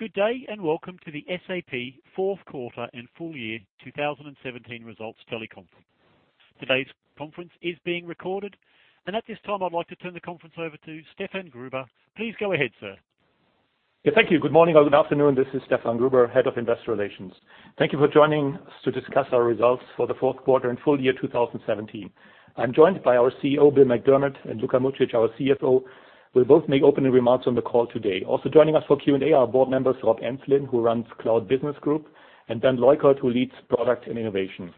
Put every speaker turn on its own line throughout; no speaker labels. Good day, welcome to the SAP fourth quarter and full year 2017 results teleconference. Today's conference is being recorded, at this time, I'd like to turn the conference over to Stefan Gruber. Please go ahead, sir.
Yeah, thank you. Good morning or good afternoon. This is Stefan Gruber, Head of Investor Relations. Thank you for joining us to discuss our results for the fourth quarter and full year 2017. I'm joined by our CEO, Bill McDermott, Luka Mucic, our CFO, will both make opening remarks on the call today. Also joining us for Q&A are board members Rob Enslin, who runs Cloud Business Group, Bernd Leukert, who leads Product and Innovation.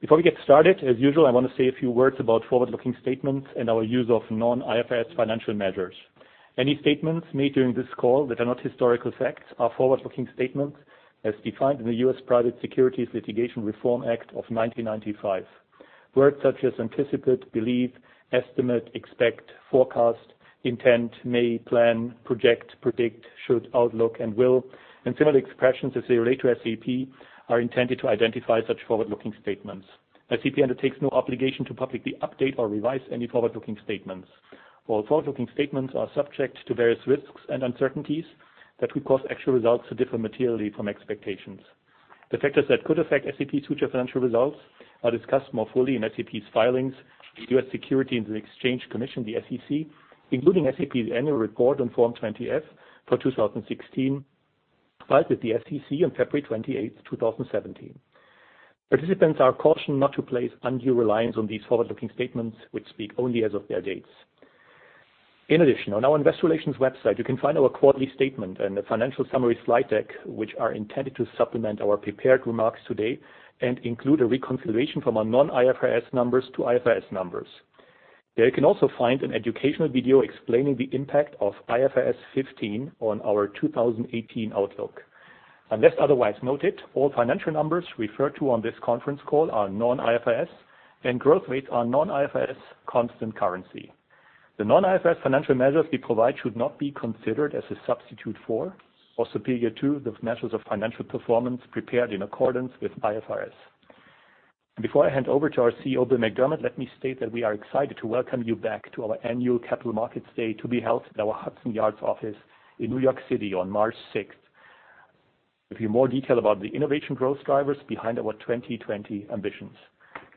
Before we get started, as usual, I want to say a few words about forward-looking statements and our use of non-IFRS financial measures. Any statements made during this call that are not historical facts are forward-looking statements as defined in the U.S. Private Securities Litigation Reform Act of 1995. Words such as anticipate, believe, estimate, expect, forecast, intent, may, plan, project, predict, should, outlook, will, and similar expressions as they relate to SAP are intended to identify such forward-looking statements. SAP undertakes no obligation to publicly update or revise any forward-looking statements. All forward-looking statements are subject to various risks and uncertainties that could cause actual results to differ materially from expectations. The factors that could affect SAP's future financial results are discussed more fully in SAP's filings with U.S. Securities and Exchange Commission, the SEC, including SAP's annual report on Form 20-F for 2016, filed with the SEC on February 28, 2017. Participants are cautioned not to place undue reliance on these forward-looking statements which speak only as of their dates. In addition, on our Investor Relations website, you can find our quarterly statement the financial summary slide deck, which are intended to supplement our prepared remarks today and include a reconciliation from our non-IFRS numbers to IFRS numbers. There you can also find an educational video explaining the impact of IFRS 15 on our 2018 outlook. Unless otherwise noted, all financial numbers referred to on this conference call are non-IFRS, growth rates are non-IFRS constant currency. The non-IFRS financial measures we provide should not be considered as a substitute for or superior to the measures of financial performance prepared in accordance with IFRS. Before I hand over to our CEO, Bill McDermott, let me state that we are excited to welcome you back to our annual Capital Markets Day to be held at our Hudson Yards office in New York City on March 6th. A few more details about the innovation growth drivers behind our 2020 ambitions.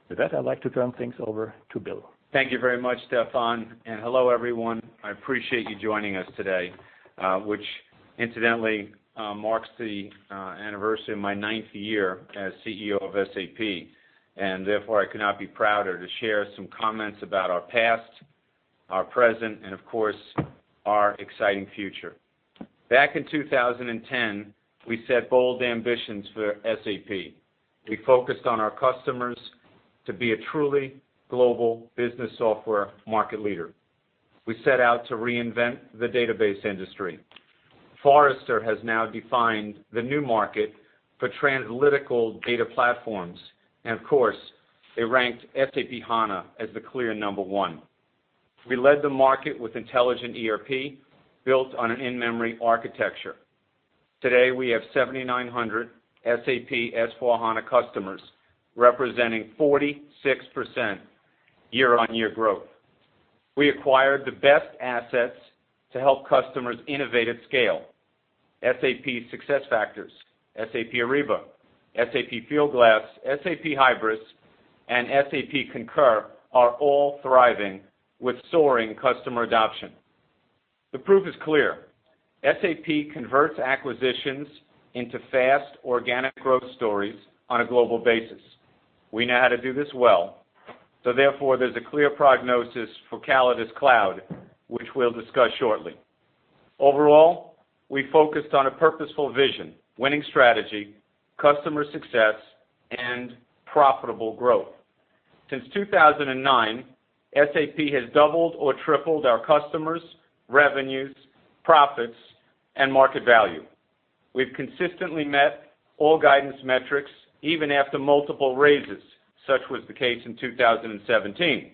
With that, I'd like to turn things over to Bill.
Thank you very much, Stefan. Hello, everyone. I appreciate you joining us today, which incidentally marks the anniversary of my ninth year as CEO of SAP. Therefore, I could not be prouder to share some comments about our past, our present, and of course, our exciting future. Back in 2010, we set bold ambitions for SAP. We focused on our customers to be a truly global business software market leader. We set out to reinvent the database industry. Forrester has now defined the new market for analytical data platforms. Of course, they ranked SAP HANA as the clear number 1. We led the market with intelligent ERP built on an in-memory architecture. Today, we have 7,900 SAP S/4HANA customers representing 46% year-on-year growth. We acquired the best assets to help customers innovate at scale. SAP SuccessFactors, SAP Ariba, SAP Fieldglass, SAP Hybris, and SAP Concur are all thriving with soaring customer adoption. The proof is clear. SAP converts acquisitions into fast organic growth stories on a global basis. We know how to do this well. Therefore, there's a clear prognosis for CallidusCloud, which we'll discuss shortly. Overall, we focused on a purposeful vision, winning strategy, customer success, and profitable growth. Since 2009, SAP has doubled or tripled our customers, revenues, profits, and market value. We've consistently met all guidance metrics, even after multiple raises, such was the case in 2017.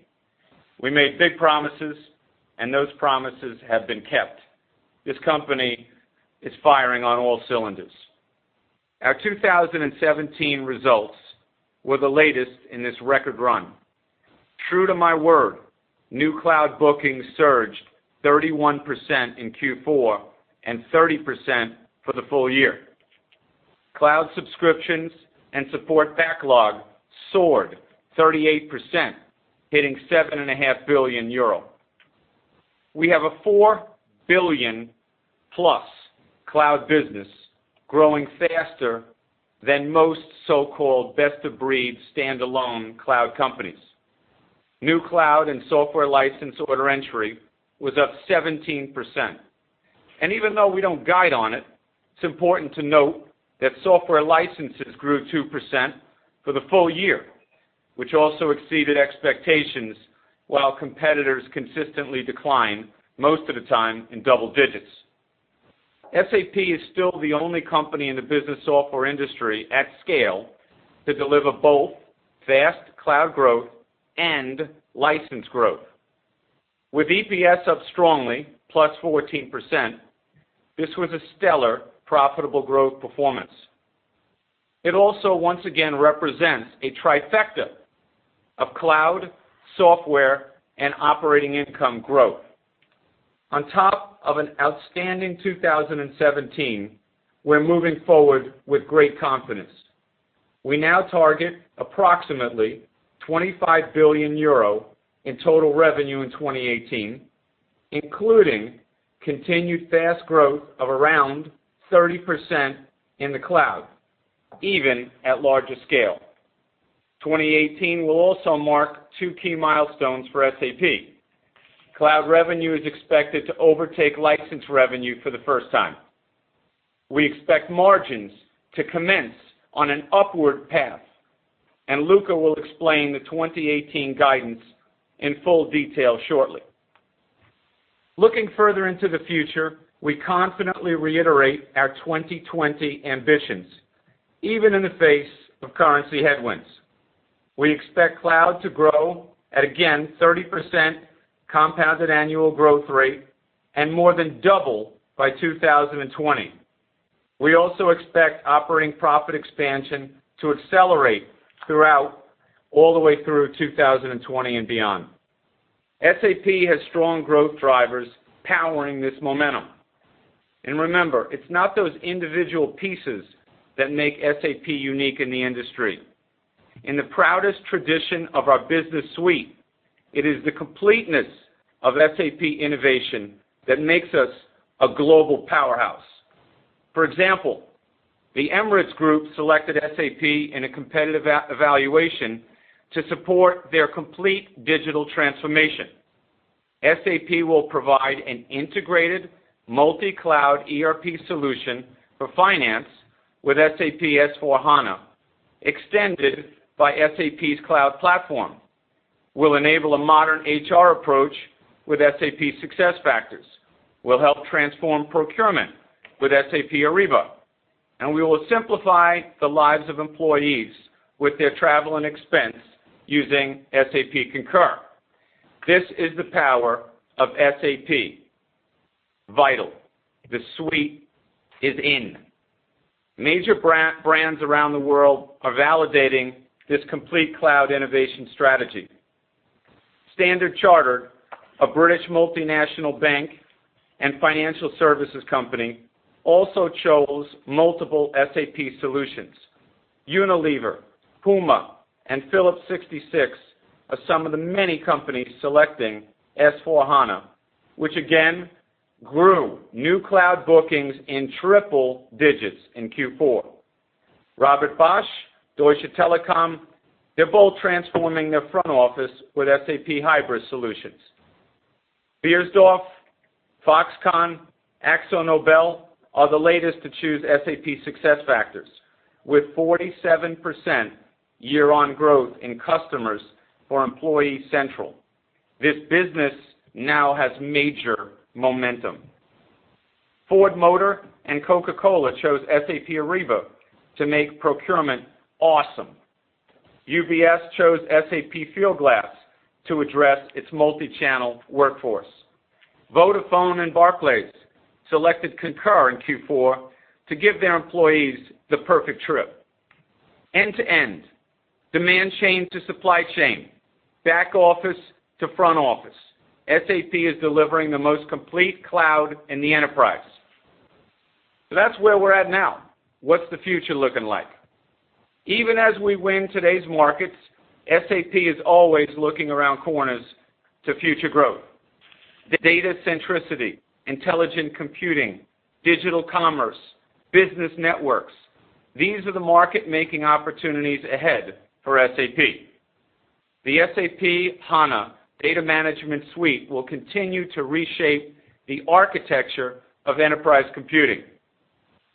We made big promises. Those promises have been kept. This company is firing on all cylinders. Our 2017 results were the latest in this record run. True to my word, new cloud bookings surged 31% in Q4 and 30% for the full year. Cloud subscriptions and support backlog soared 38%, hitting 7.5 billion euro. We have a 4 billion-plus cloud business growing faster than most so-called best-of-breed standalone cloud companies. New cloud and software license order entry was up 17%. Even though we don't guide on it's important to note that software licenses grew 2% for the full year, which also exceeded expectations while competitors consistently decline, most of the time in double digits. SAP is still the only company in the business software industry at scale to deliver both fast cloud growth and license growth. With EPS up strongly, plus 14%, this was a stellar profitable growth performance. It also, once again, represents a trifecta of cloud, software, and operating income growth. On top of an outstanding 2017, we're moving forward with great confidence. We now target approximately 25 billion euro in total revenue in 2018, including continued fast growth of around 30% in the cloud, even at larger scale. 2018 will also mark two key milestones for SAP. Cloud revenue is expected to overtake license revenue for the first time. We expect margins to commence on an upward path, and Luka will explain the 2018 guidance in full detail shortly. Looking further into the future, we confidently reiterate our 2020 ambitions, even in the face of currency headwinds. We expect cloud to grow at, again, 30% compounded annual growth rate and more than double by 2020. We also expect operating profit expansion to accelerate throughout all the way through 2020 and beyond. SAP has strong growth drivers powering this momentum. Remember, it's not those individual pieces that make SAP unique in the industry. In the proudest tradition of our business suite, it is the completeness of SAP innovation that makes us a global powerhouse. For example, the Emirates Group selected SAP in a competitive evaluation to support their complete digital transformation. SAP will provide an integrated multi-cloud ERP solution for finance with SAP S/4HANA, extended by SAP's SAP Cloud Platform. We'll enable a modern HR approach with SAP SuccessFactors. We'll help transform procurement with SAP Ariba. We will simplify the lives of employees with their travel and expense using SAP Concur. This is the power of SAP. Vital. The suite is in. Major brands around the world are validating this complete cloud innovation strategy. Standard Chartered, a British multinational bank and financial services company, also chose multiple SAP solutions. Unilever, Puma, and Phillips 66 are some of the many companies selecting S/4HANA, which again grew new cloud bookings in triple digits in Q4. Robert Bosch, Deutsche Telekom, they're both transforming their front office with SAP Hybris solutions. Beiersdorf, Foxconn, AkzoNobel are the latest to choose SAP SuccessFactors, with 47% year-on growth in customers for employee central. This business now has major momentum. Ford Motor and Coca-Cola chose SAP Ariba to make procurement awesome. UBS chose SAP Fieldglass to address its multi-channel workforce. Vodafone and Barclays selected Concur in Q4 to give their employees the perfect trip. End-to-end, demand chain to supply chain, back office to front office, SAP is delivering the most complete cloud in the enterprise. That's where we're at now. What's the future looking like? Even as we win today's markets, SAP is always looking around corners to future growth. Data centricity, intelligent computing, digital commerce, business networks. These are the market-making opportunities ahead for SAP. The SAP HANA Data Management Suite will continue to reshape the architecture of enterprise computing.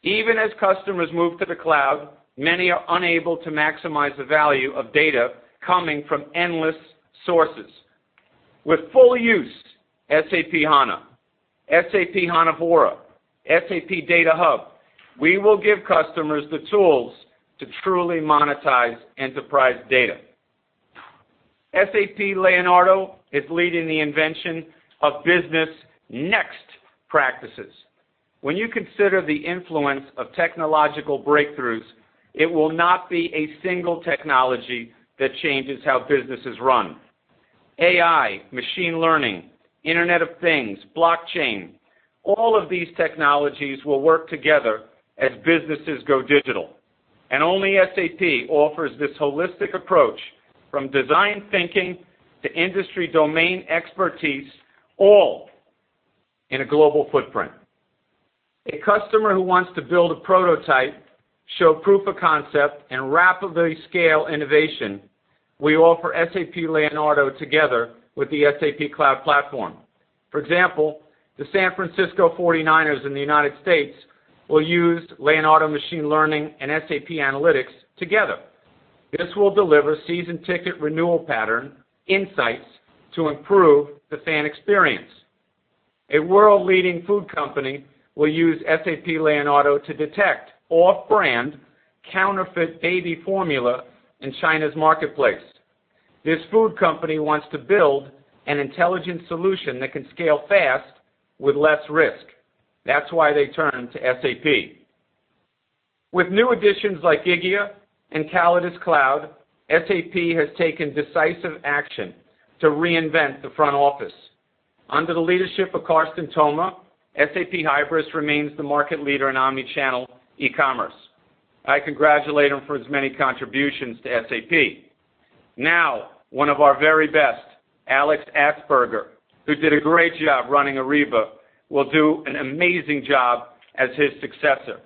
Even as customers move to the cloud, many are unable to maximize the value of data coming from endless sources. With full use, SAP HANA, SAP Vora, SAP Data Hub, we will give customers the tools to truly monetize enterprise data. SAP Leonardo is leading the invention of business next practices. When you consider the influence of technological breakthroughs, it will not be a single technology that changes how business is run. AI, machine learning, Internet of Things, blockchain, all of these technologies will work together as businesses go digital. Only SAP offers this holistic approach, from design thinking to industry domain expertise, all in a global footprint. A customer who wants to build a prototype, show proof of concept, and rapidly scale innovation, we offer SAP Leonardo together with the SAP Cloud Platform. For example, the San Francisco 49ers in the United States will use Leonardo machine learning and SAP analytics together. This will deliver season ticket renewal pattern insights to improve the fan experience. A world-leading food company will use SAP Leonardo to detect off-brand counterfeit baby formula in China's marketplace. This food company wants to build an intelligent solution that can scale fast with less risk. That's why they turn to SAP. With new additions like Gigya and CallidusCloud, SAP has taken decisive action to reinvent the front office. Under the leadership of Carsten Thoma, SAP Hybris remains the market leader in omni-channel e-commerce. I congratulate him for his many contributions to SAP. Now, one of our very best, Alex Atzberger, who did a great job running Ariba, will do an amazing job as his successor.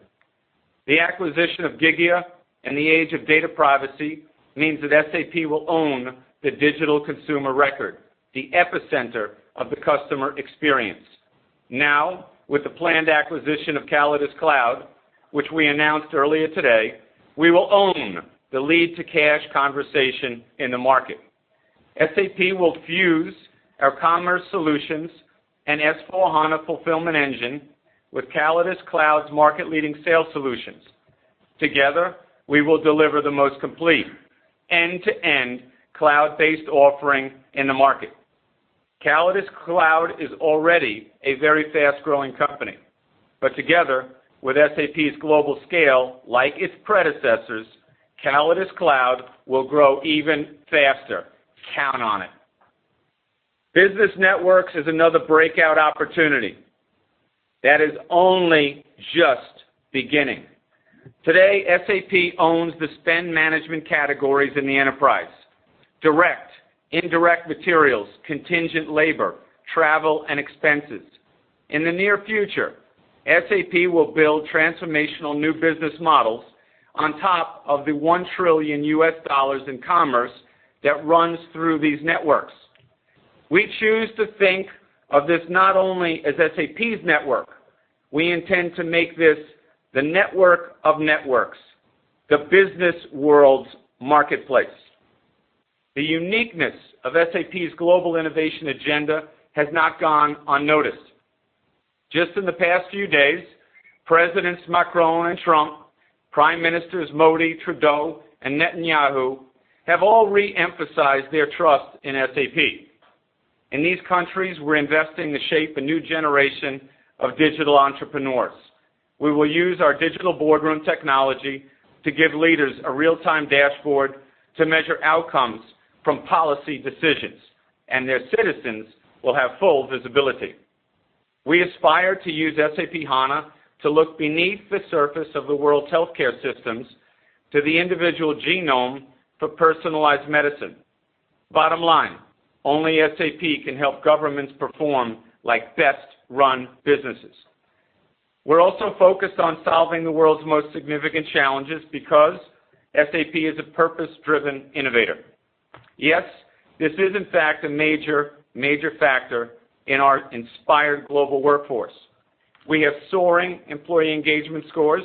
The acquisition of Gigya in the age of data privacy means that SAP will own the digital consumer record, the epicenter of the customer experience. Now, with the planned acquisition of CallidusCloud, which we announced earlier today, we will own the lead to cash conversation in the market. SAP will fuse our commerce solutions and S/4HANA fulfillment engine with CallidusCloud's market-leading sales solutions. Together, we will deliver the most complete end-to-end cloud-based offering in the market. CallidusCloud is already a very fast-growing company. But together with SAP's global scale, like its predecessors, CallidusCloud will grow even faster. Count on it. Business networks is another breakout opportunity that is only just beginning. Today, SAP owns the spend management categories in the enterprise, direct, indirect materials, contingent labor, travel, and expenses. In the near future, SAP will build transformational new business models on top of the EUR 1 trillion in commerce that runs through these networks. We choose to think of this not only as SAP's network. We intend to make this the network of networks, the business world's marketplace. The uniqueness of SAP's global innovation agenda has not gone unnoticed. Just in the past few days, Presidents Macron and Trump, Prime Ministers Modi, Trudeau, and Netanyahu, have all re-emphasized their trust in SAP. In these countries, we're investing to shape a new generation of digital entrepreneurs. We will use our digital boardroom technology to give leaders a real-time dashboard to measure outcomes from policy decisions, and their citizens will have full visibility. We aspire to use SAP HANA to look beneath the surface of the world's healthcare systems to the individual genome for personalized medicine. Bottom line, only SAP can help governments perform like best-run businesses. We're also focused on solving the world's most significant challenges because SAP is a purpose-driven innovator. Yes, this is in fact a major factor in our inspired global workforce. We have soaring employee engagement scores,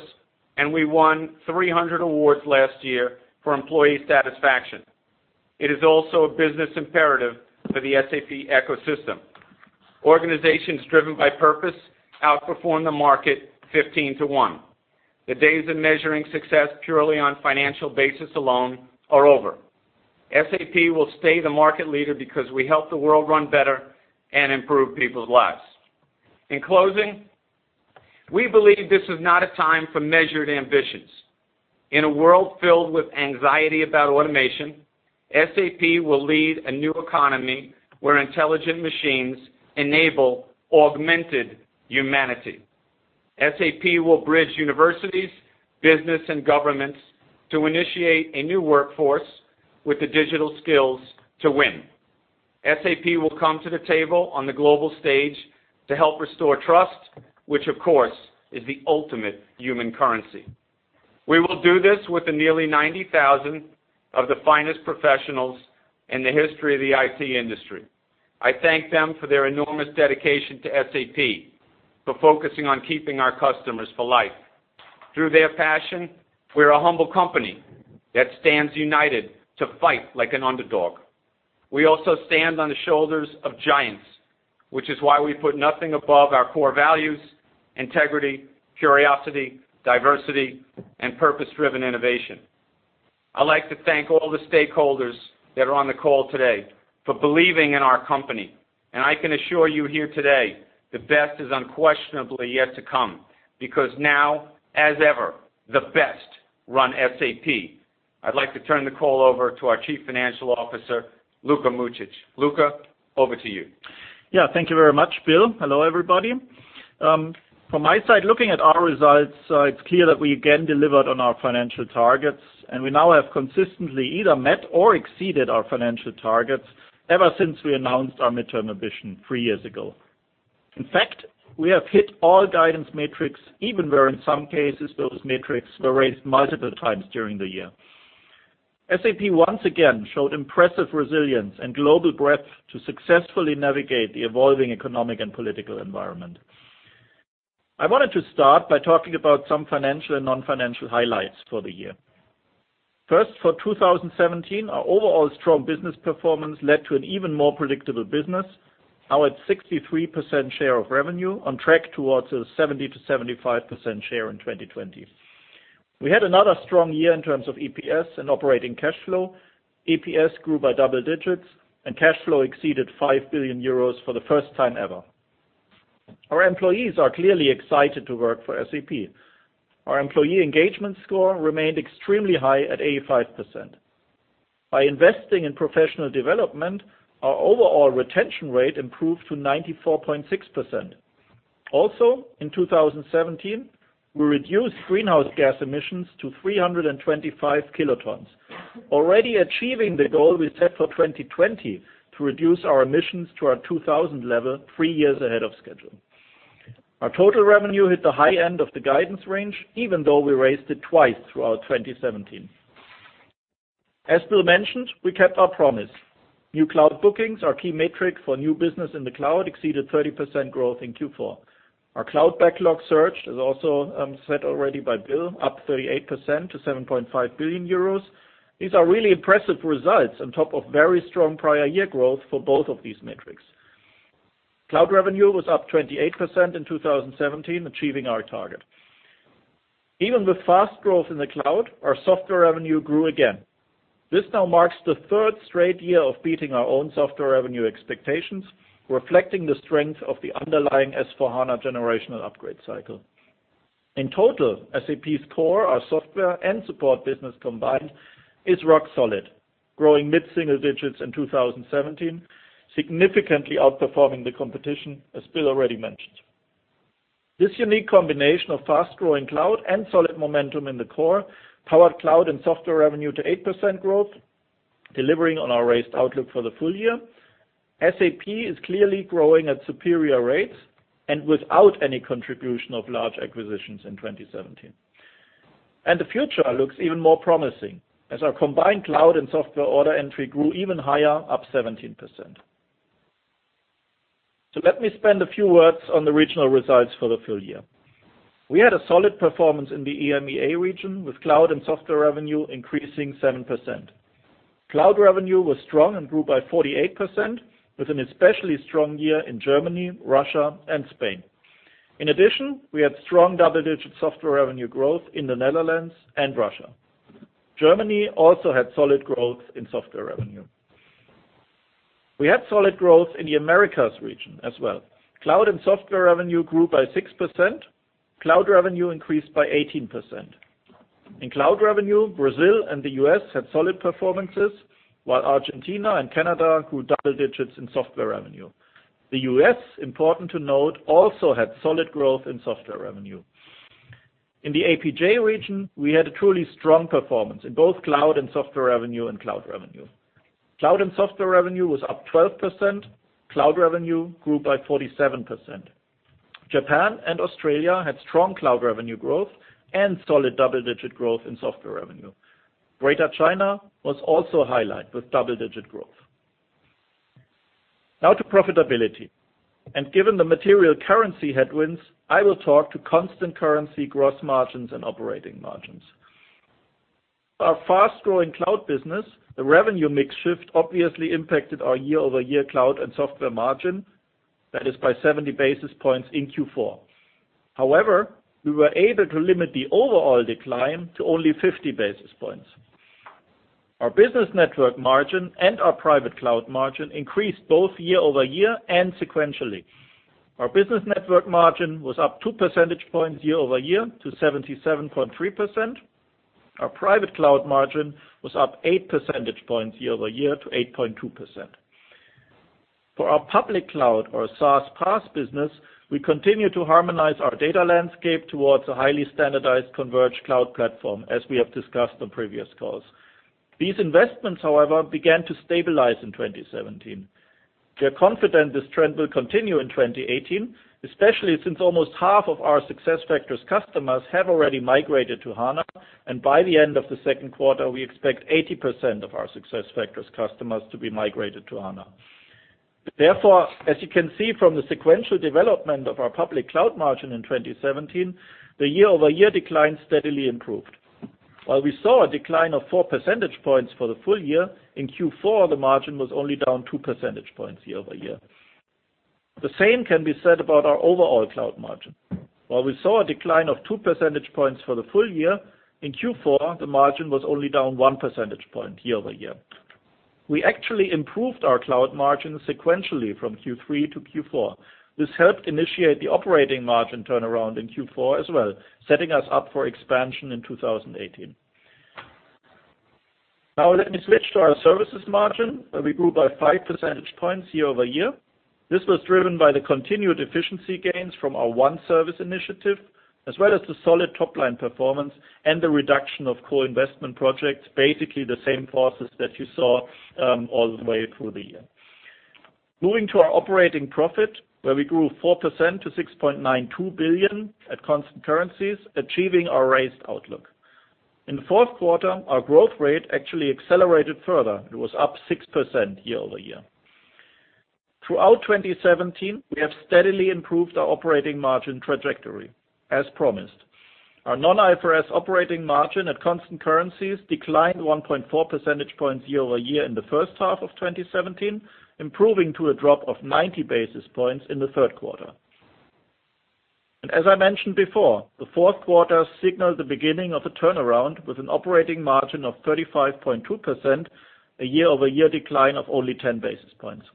and we won 300 awards last year for employee satisfaction. It is also a business imperative for the SAP ecosystem. Organizations driven by purpose outperform the market 15 to 1. The days of measuring success purely on financial basis alone are over. SAP will stay the market leader because we help the world run better and improve people's lives. In closing, we believe this is not a time for measured ambitions. In a world filled with anxiety about automation, SAP will lead a new economy where intelligent machines enable augmented humanity. SAP will bridge universities, business, and governments to initiate a new workforce with the digital skills to win. SAP will come to the table on the global stage to help restore trust, which, of course, is the ultimate human currency. We will do this with the nearly 90,000 of the finest professionals in the history of the IT industry. I thank them for their enormous dedication to SAP, for focusing on keeping our customers for life. Through their passion, we're a humble company that stands united to fight like an underdog. We also stand on the shoulders of giants, which is why we put nothing above our core values, integrity, curiosity, diversity, and purpose-driven innovation. I'd like to thank all the stakeholders that are on the call today for believing in our company. I can assure you here today, the best is unquestionably yet to come because now, as ever, the best run SAP. I'd like to turn the call over to our Chief Financial Officer, Luka Mucic. Luka, over to you.
Yeah, thank you very much, Bill. Hello, everybody. From my side, looking at our results, it's clear that we again delivered on our financial targets. We now have consistently either met or exceeded our financial targets ever since we announced our midterm ambition three years ago. In fact, we have hit all guidance metrics, even where in some cases those metrics were raised multiple times during the year. SAP once again showed impressive resilience and global breadth to successfully navigate the evolving economic and political environment. I wanted to start by talking about some financial and non-financial highlights for the year. First, for 2017, our overall strong business performance led to an even more predictable business, now at 63% share of revenue, on track towards a 70%-75% share in 2020. We had another strong year in terms of EPS and operating cash flow. EPS grew by double digits and cash flow exceeded 5 billion euros for the first time ever. Our employees are clearly excited to work for SAP. Our employee engagement score remained extremely high at 85%. By investing in professional development, our overall retention rate improved to 94.6%. Also, in 2017, we reduced greenhouse gas emissions to 325 kilotons, already achieving the goal we set for 2020 to reduce our emissions to our 2000 level three years ahead of schedule. Our total revenue hit the high end of the guidance range, even though we raised it twice throughout 2017. As Bill mentioned, we kept our promise. New cloud bookings, our key metric for new business in the cloud, exceeded 30% growth in Q4. Our cloud backlog surged, as also said already by Bill, up 38% to 7.5 billion euros. These are really impressive results on top of very strong prior year growth for both of these metrics. Cloud revenue was up 28% in 2017, achieving our target. Even with fast growth in the cloud, our software revenue grew again. This now marks the third straight year of beating our own software revenue expectations, reflecting the strength of the underlying S/4HANA generational upgrade cycle. In total, SAP's core, our software and support business combined, is rock solid, growing mid-single digits in 2017, significantly outperforming the competition, as Bill already mentioned. This unique combination of fast-growing cloud and solid momentum in the core powered cloud and software revenue to 8% growth, delivering on our raised outlook for the full year. SAP is clearly growing at superior rates and without any contribution of large acquisitions in 2017. The future looks even more promising as our combined cloud and software order entry grew even higher, up 17%. Let me spend a few words on the regional results for the full year. We had a solid performance in the EMEA region, with cloud and software revenue increasing 7%. Cloud revenue was strong and grew by 48%, with an especially strong year in Germany, Russia and Spain. In addition, we had strong double-digit software revenue growth in the Netherlands and Russia. Germany also had solid growth in software revenue. We had solid growth in the Americas region as well. Cloud and software revenue grew by 6%. Cloud revenue increased by 18%. In cloud revenue, Brazil and the U.S. had solid performances, while Argentina and Canada grew double digits in software revenue. The U.S., important to note, also had solid growth in software revenue. In the APJ region, we had a truly strong performance in both cloud and software revenue and cloud revenue. Cloud and software revenue was up 12%. Cloud revenue grew by 47%. Japan and Australia had strong cloud revenue growth and solid double-digit growth in software revenue. Greater China was also a highlight with double-digit growth. Now to profitability. Given the material currency headwinds, I will talk to constant currency gross margins and operating margins. Our fast-growing cloud business, the revenue mix shift obviously impacted our year-over-year cloud and software margin, that is by 70 basis points in Q4. However, we were able to limit the overall decline to only 50 basis points. Our business network margin and our private cloud margin increased both year-over-year and sequentially. Our business network margin was up two percentage points year-over-year to 77.3%. Our private cloud margin was up eight percentage points year-over-year to 8.2%. For our public cloud, or our SaaS PaaS business, we continue to harmonize our data landscape towards a highly standardized converged cloud platform, as we have discussed on previous calls. These investments, however, began to stabilize in 2017. We are confident this trend will continue in 2018, especially since almost half of our SuccessFactors customers have already migrated to HANA, and by the end of the second quarter, we expect 80% of our SuccessFactors customers to be migrated to HANA. As you can see from the sequential development of our public cloud margin in 2017, the year-over-year decline steadily improved. While we saw a decline of four percentage points for the full year, in Q4, the margin was only down two percentage points year-over-year. The same can be said about our overall cloud margin. While we saw a decline of two percentage points for the full year, in Q4, the margin was only down one percentage point year-over-year. We actually improved our cloud margin sequentially from Q3 to Q4. This helped initiate the operating margin turnaround in Q4 as well, setting us up for expansion in 2018. Now let me switch to our services margin, where we grew by five percentage points year-over-year. This was driven by the continued efficiency gains from our One Service initiative, as well as the solid top-line performance and the reduction of core investment projects, basically the same forces that you saw all the way through the year. Moving to our operating profit, where we grew 4% to 6.92 billion at constant currencies, achieving our raised outlook. In the fourth quarter, our growth rate actually accelerated further. It was up 6% year-over-year. Throughout 2017, we have steadily improved our operating margin trajectory, as promised. Our non-IFRS operating margin at constant currencies declined 1.4 percentage points year-over-year in the first half of 2017, improving to a drop of 90 basis points in the third quarter. As I mentioned before, the fourth quarter signaled the beginning of a turnaround with an operating margin of 35.2%, a year-over-year decline of only 10 basis points.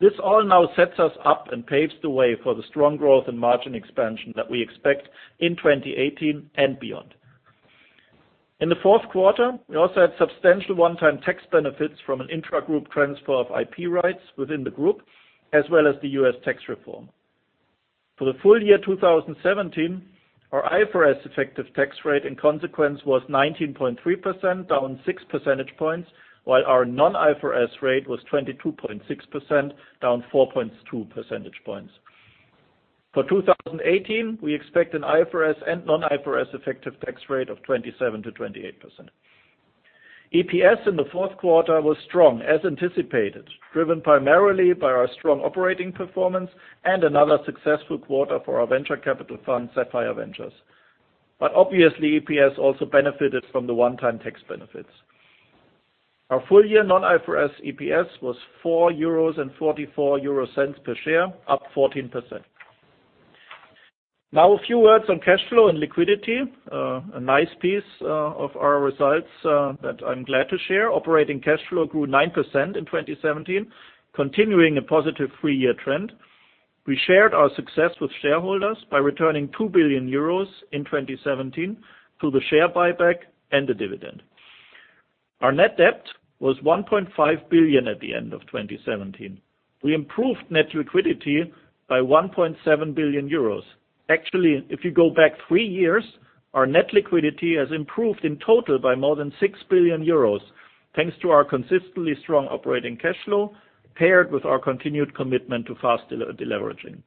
This all now sets us up and paves the way for the strong growth and margin expansion that we expect in 2018 and beyond. In the fourth quarter, we also had substantial one-time tax benefits from an intragroup transfer of IP rights within the group, as well as the U.S. tax reform. For the full year 2017, our IFRS effective tax rate in consequence was 19.3%, down six percentage points, while our non-IFRS rate was 22.6%, down 4.2 percentage points. For 2018, we expect an IFRS and non-IFRS effective tax rate of 27%-28%. EPS in the fourth quarter was strong as anticipated, driven primarily by our strong operating performance and another successful quarter for our venture capital fund, Sapphire Ventures. Obviously, EPS also benefited from the one-time tax benefits. Our full-year non-IFRS EPS was €4.44 per share, up 14%. A few words on cash flow and liquidity. A nice piece of our results that I'm glad to share. Operating cash flow grew 9% in 2017, continuing a positive three-year trend. We shared our success with shareholders by returning €2 billion in 2017 through the share buyback and the dividend. Our net debt was €1.5 billion at the end of 2017. We improved net liquidity by €1.7 billion. Actually, if you go back three years, our net liquidity has improved in total by more than €6 billion, thanks to our consistently strong operating cash flow, paired with our continued commitment to fast deleveraging.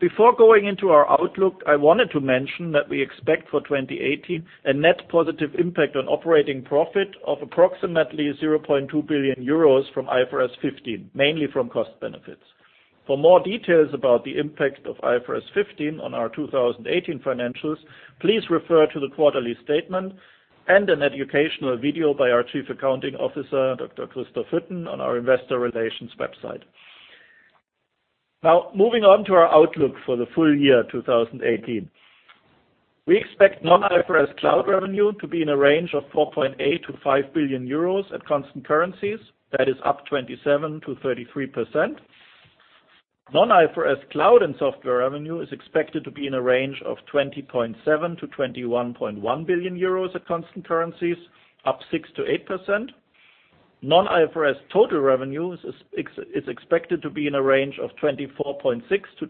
Before going into our outlook, I wanted to mention that we expect for 2018 a net positive impact on operating profit of approximately €0.2 billion from IFRS 15, mainly from cost benefits. For more details about the impact of IFRS 15 on our 2018 financials, please refer to the quarterly statement and an educational video by our Chief Accounting Officer, Dr. Christoph Hütten, on our investor relations website. Moving on to our outlook for the full year 2018. We expect non-IFRS cloud revenue to be in a range of €4.8 billion-€5 billion at constant currencies. That is up 27%-33%. Non-IFRS cloud and software revenue is expected to be in a range of €20.7 billion-€21.1 billion at constant currencies, up 6%-8%. Non-IFRS total revenue is expected to be in a range of €24.6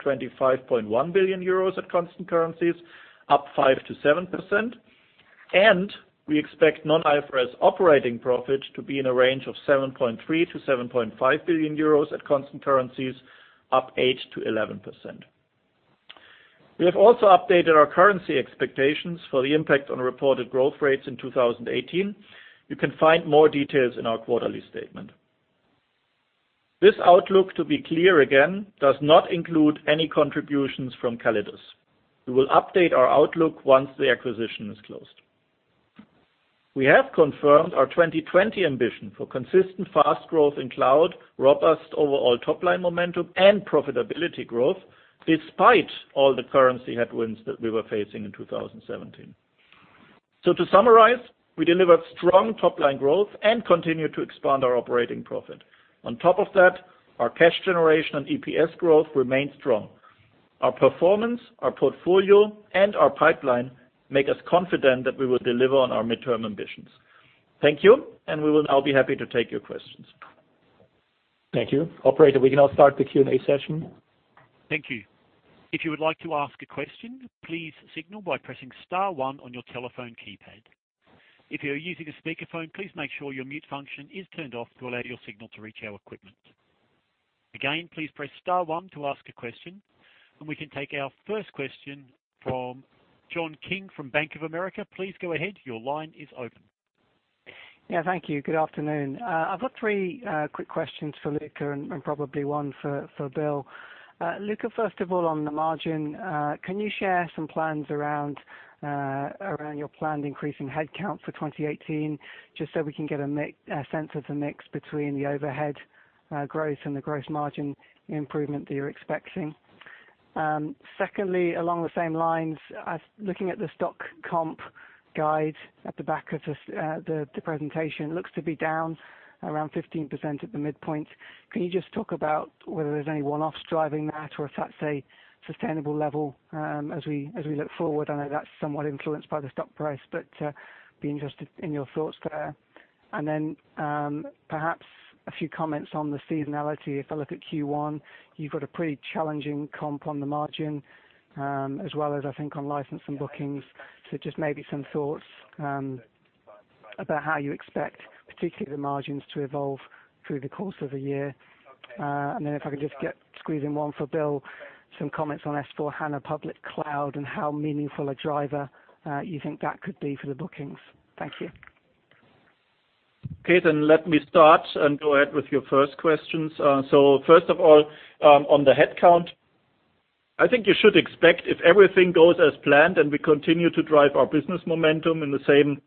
billion-€25.1 billion at constant currencies, up 5%-7%. We expect non-IFRS operating profit to be in a range of €7.3 billion-€7.5 billion at constant currencies, up 8%-11%. We have also updated our currency expectations for the impact on reported growth rates in 2018. You can find more details in our quarterly statement. This outlook, to be clear again, does not include any contributions from Callidus. We will update our outlook once the acquisition is closed. We have confirmed our 2020 ambition for consistent fast growth in cloud, robust overall top-line momentum, and profitability growth despite all the currency headwinds that we were facing in 2017. To summarize, we delivered strong top-line growth and continued to expand our operating profit. On top of that, our cash generation and EPS growth remained strong. Our performance, our portfolio, and our pipeline make us confident that we will deliver on our midterm ambitions. Thank you, and we will now be happy to take your questions.
Thank you. Operator, we can now start the Q&A session.
Thank you. If you would like to ask a question, please signal by pressing star one on your telephone keypad. If you are using a speakerphone, please make sure your mute function is turned off to allow your signal to reach our equipment. Again, please press star one to ask a question. We can take our first question from John King from Bank of America. Please go ahead. Your line is open.
Yeah. Thank you. Good afternoon. I've got three quick questions for Luka and probably one for Bill. Luka, first of all, on the margin, can you share some plans around your planned increasing headcount for 2018, just so we can get a sense of the mix between the overhead growth and the gross margin improvement that you're expecting? Secondly, along the same lines, looking at the stock comp guide at the back of the presentation, looks to be down around 15% at the midpoint. Can you just talk about whether there's any one-offs driving that or if that's a sustainable level as we look forward? I know that's somewhat influenced by the stock price, but be interested in your thoughts there. Perhaps a few comments on the seasonality. If I look at Q1, you've got a pretty challenging comp on the margin, as well as I think on license and bookings. Just maybe some thoughts about how you expect, particularly the margins, to evolve through the course of the year. If I could just squeeze in one for Bill, some comments on S/4HANA public cloud and how meaningful a driver you think that could be for the bookings. Thank you.
Let me start and go ahead with your first questions. First of all, on the headcount I think you should expect if everything goes as planned and we continue to drive our business momentum in the same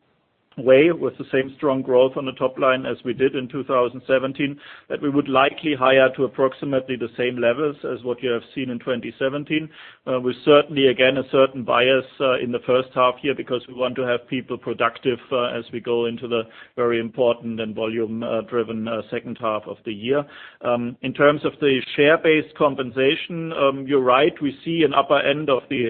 way with the same strong growth on the top line as we did in 2017, that we would likely hire to approximately the same levels as what you have seen in 2017. With certainly, again, a certain bias in the first half year because we want to have people productive as we go into the very important and volume-driven second half of the year. In terms of the share-based compensation, you're right. We see an upper end of the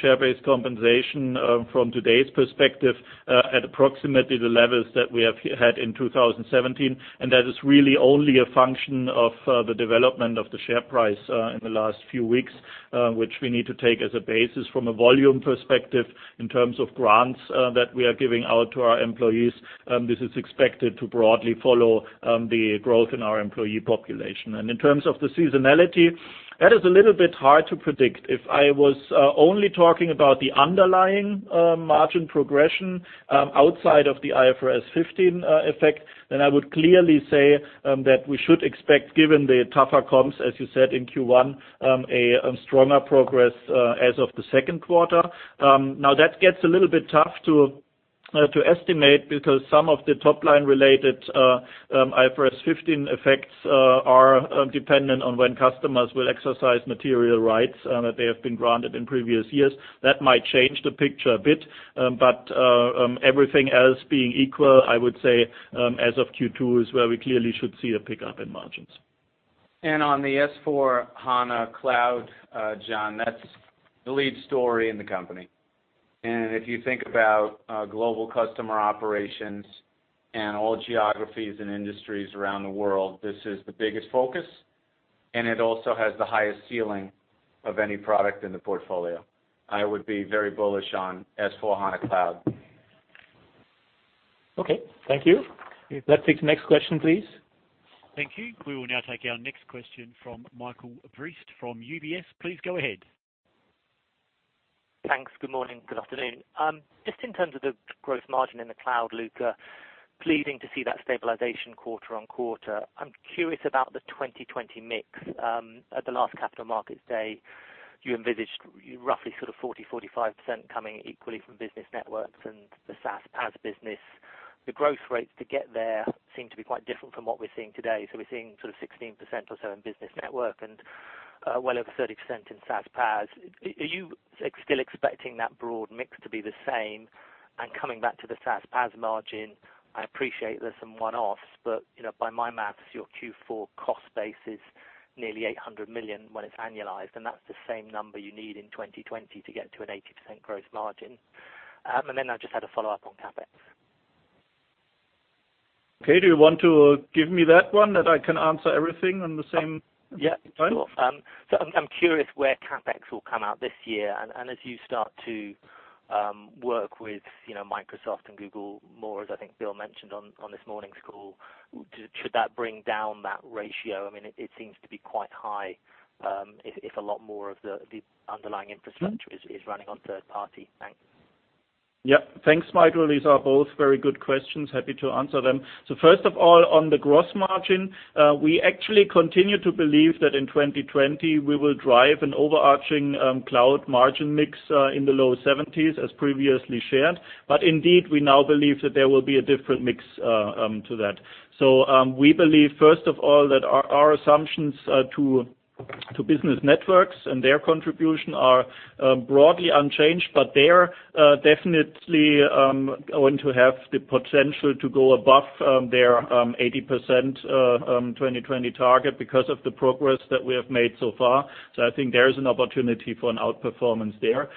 share-based compensation from today's perspective at approximately the levels that we have had in 2017, that is really only a function of the development of the share price in the last few weeks, which we need to take as a basis from a volume perspective in terms of grants that we are giving out to our employees. This is expected to broadly follow the growth in our employee population. In terms of the seasonality, that is a little bit hard to predict. If I was only talking about the underlying margin progression outside of the IFRS 15 effect, then I would clearly say that we should expect, given the tougher comps, as you said, in Q1, a stronger progress as of the second quarter. That gets a little bit tough to estimate because some of the top-line related IFRS 15 effects are dependent on when customers will exercise material rights that they have been granted in previous years. That might change the picture a bit. Everything else being equal, I would say as of Q2 is where we clearly should see a pickup in margins.
On the S/4HANA Cloud, John, that's the lead story in the company. If you think about global customer operations and all geographies and industries around the world, this is the biggest focus, and it also has the highest ceiling of any product in the portfolio. I would be very bullish on S/4HANA Cloud.
Okay. Thank you. Let's take the next question, please.
Thank you. We will now take our next question from Michael Briest from UBS. Please go ahead.
Thanks. Good morning. Good afternoon. Just in terms of the gross margin in the cloud, Luka, pleasing to see that stabilization quarter-on-quarter. I'm curious about the 2020 mix. At the last capital markets day, you envisaged roughly 40%-45% coming equally from business networks and the SaaS/PaaS business. The growth rates to get there seem to be quite different from what we're seeing today. We're seeing 16% or so in business network and well over 30% in SaaS/PaaS. Are you still expecting that broad mix to be the same? Coming back to the SaaS/PaaS margin, I appreciate there's some one-offs, but by my math, your Q4 cost base is nearly 800 million when it's annualized, and that's the same number you need in 2020 to get to an 80% gross margin. Then I just had a follow-up on CapEx.
Okay, do you want to give me that one that I can answer everything on the same time?
Yeah, sure. I'm curious where CapEx will come out this year, and as you start to work with Microsoft and Google more, as I think Bill mentioned on this morning's call, should that bring down that ratio? It seems to be quite high if a lot more of the underlying infrastructure is running on third party. Thanks.
Yeah. Thanks, Michael. These are both very good questions. Happy to answer them. First of all, on the gross margin, we actually continue to believe that in 2020 we will drive an overarching cloud margin mix in the low 70s as previously shared. Indeed, we now believe that there will be a different mix to that. We believe, first of all, that our assumptions to business networks and their contribution are broadly unchanged, but they're definitely going to have the potential to go above their 80% 2020 target because of the progress that we have made so far. I think there is an opportunity for an outperformance there.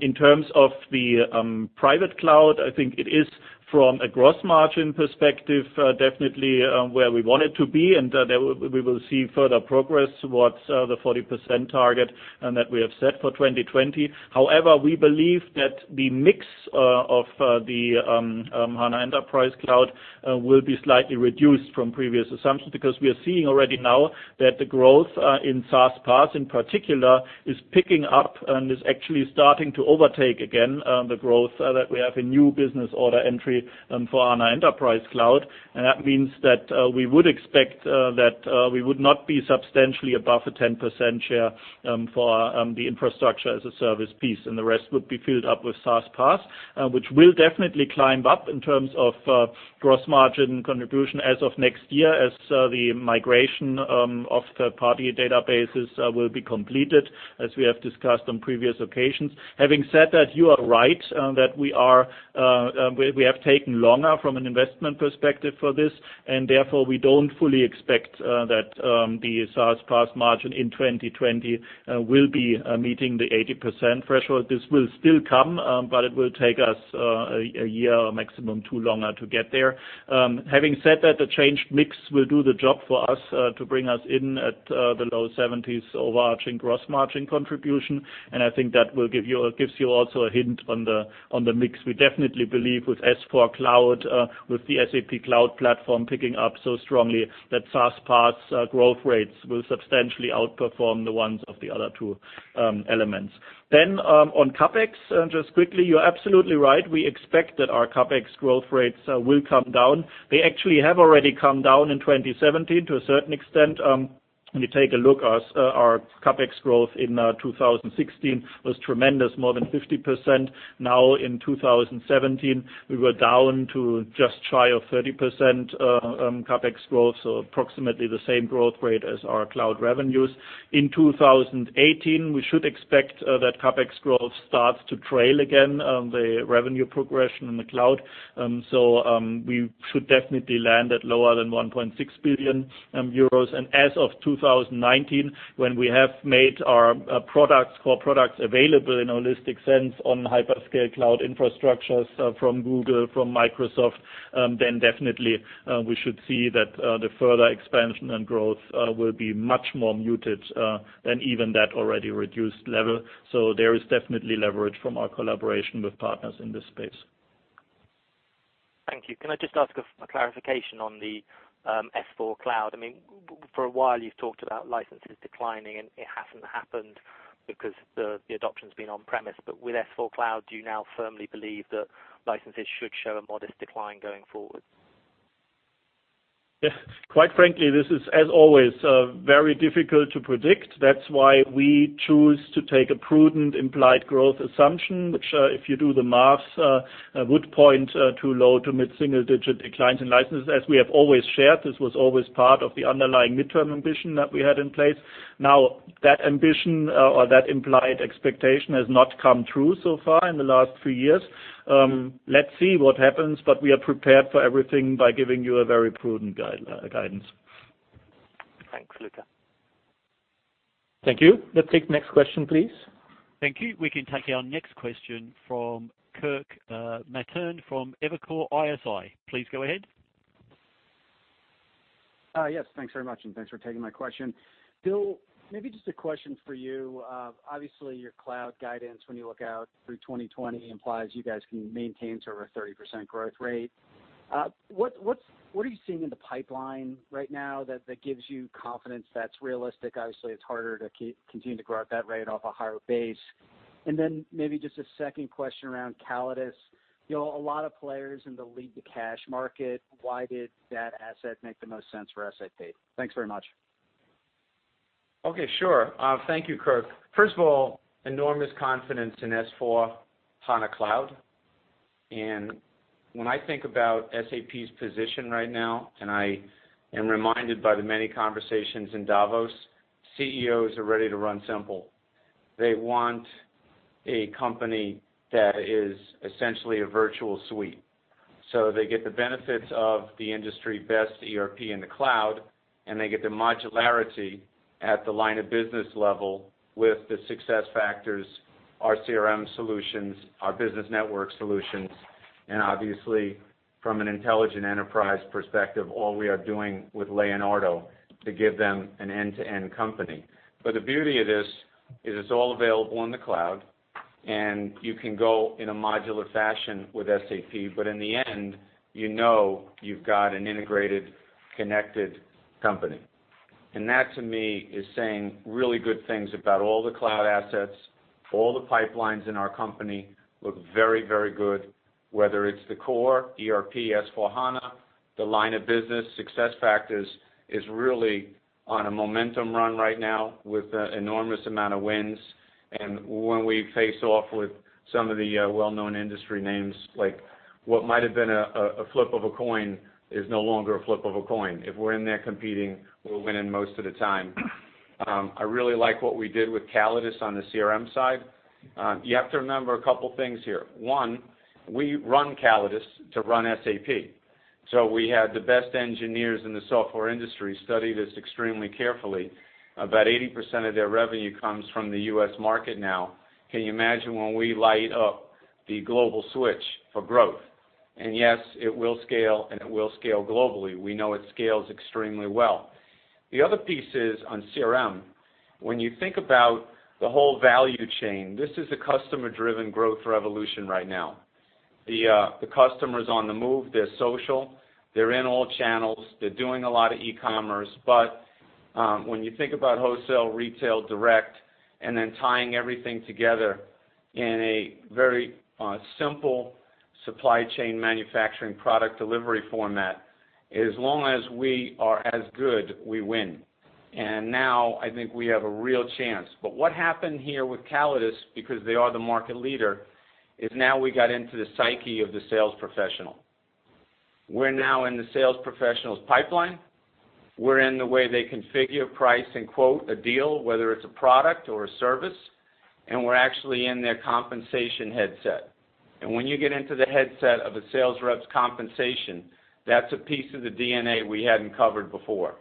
In terms of the private cloud, I think it is from a gross margin perspective, definitely where we want it to be, and we will see further progress towards the 40% target that we have set for 2020. However, we believe that the mix of the HANA Enterprise Cloud will be slightly reduced from previous assumptions because we are seeing already now that the growth in SaaS PaaS in particular is picking up and is actually starting to overtake again the growth that we have in new business order entry for HANA Enterprise Cloud. That means that we would expect that we would not be substantially above a 10% share for the infrastructure as a service piece, and the rest would be filled up with SaaS PaaS, which will definitely climb up in terms of gross margin contribution as of next year as the migration of third-party databases will be completed, as we have discussed on previous occasions. Having said that, you are right that we have taken longer from an investment perspective for this, therefore we don't fully expect that the SaaS PaaS margin in 2020 will be meeting the 80% threshold. This will still come, but it will take us a year maximum two longer to get there. Having said that, the changed mix will do the job for us to bring us in at the low 70s overarching gross margin contribution, and I think that gives you also a hint on the mix. We definitely believe with S/4 Cloud, with the SAP Cloud Platform picking up so strongly that SaaS PaaS growth rates will substantially outperform the ones of the other two elements. On CapEx, just quickly, you're absolutely right. We expect that our CapEx growth rates will come down. They actually have already come down in 2017 to a certain extent. When you take a look, our CapEx growth in 2016 was tremendous, more than 50%. Now in 2017, we were down to just shy of 30% CapEx growth, approximately the same growth rate as our cloud revenues. In 2018, we should expect that CapEx growth starts to trail again the revenue progression in the cloud. We should definitely land at lower than €1.6 billion. As of 2019, when we have made our core products available in a holistic sense on hyperscale cloud infrastructures from Google, from Microsoft, definitely, we should see that the further expansion and growth will be much more muted than even that already reduced level. There is definitely leverage from our collaboration with partners in this space.
Thank you. Can I just ask a clarification on the S/4 Cloud? For a while you've talked about licenses declining, and it hasn't happened because the adoption's been on premise. With S/4 Cloud, do you now firmly believe that licenses should show a modest decline going forward?
Yes. Quite frankly, this is, as always, very difficult to predict. That's why we choose to take a prudent implied growth assumption, which, if you do the math, would point to low to mid single-digit declines in licenses. As we have always shared, this was always part of the underlying midterm ambition that we had in place. That ambition or that implied expectation has not come true so far in the last three years. Let's see what happens, but we are prepared for everything by giving you a very prudent guidance.
Thanks, Luka.
Thank you. Let's take next question, please.
Thank you. We can take our next question from Kirk Materne from Evercore ISI. Please go ahead.
Thanks very much, and thanks for taking my question. Bill, maybe just a question for you. Obviously, your cloud guidance when you look out through 2020 implies you guys can maintain sort of a 30% growth rate. What are you seeing in the pipeline right now that gives you confidence that's realistic? Obviously, it's harder to continue to grow at that rate off a higher base. Then maybe just a second question around Callidus. A lot of players in the lead-to-cash market. Why did that asset make the most sense for SAP? Thanks very much.
Okay, sure. Thank you, Kirk. First of all, enormous confidence in S/4HANA Cloud. When I think about SAP's position right now, I am reminded by the many conversations in Davos, CEOs are ready to run simple. They want a company that is essentially a virtual suite. They get the benefits of the industry best ERP in the cloud, they get the modularity at the line of business level with the SuccessFactors, our CRM solutions, our business network solutions, obviously, from an intelligent enterprise perspective, all we are doing with Leonardo to give them an end-to-end company. The beauty of this is it's all available in the cloud, you can go in a modular fashion with SAP. In the end, you know you've got an integrated, connected company. That, to me, is saying really good things about all the cloud assets. All the pipelines in our company look very, very good, whether it's the core ERP S/4HANA, the line of business SuccessFactors is really on a momentum run right now with an enormous amount of wins. When we face off with some of the well-known industry names, like what might have been a flip of a coin is no longer a flip of a coin. If we're in there competing, we're winning most of the time. I really like what we did with Callidus on the CRM side. You have to remember a couple things here. One, we run Callidus to run SAP. We had the best engineers in the software industry study this extremely carefully. About 80% of their revenue comes from the U.S. market now. Can you imagine when we light up the global switch for growth? Yes, it will scale, it will scale globally. We know it scales extremely well. The other piece is on CRM. When you think about the whole value chain, this is a customer-driven growth revolution right now. The customer is on the move. They're social. They're in all channels. They're doing a lot of e-commerce. When you think about wholesale, retail, direct, tying everything together in a very simple supply chain manufacturing product delivery format, as long as we are as good, we win. Now I think we have a real chance. What happened here with Callidus, because they are the market leader, is now we got into the psyche of the sales professional. We're now in the sales professional's pipeline. We're in the way they configure, price, and quote a deal, whether it's a product or a service, and we're actually in their compensation headset. When you get into the headset of a sales rep's compensation, that's a piece of the DNA we hadn't covered before.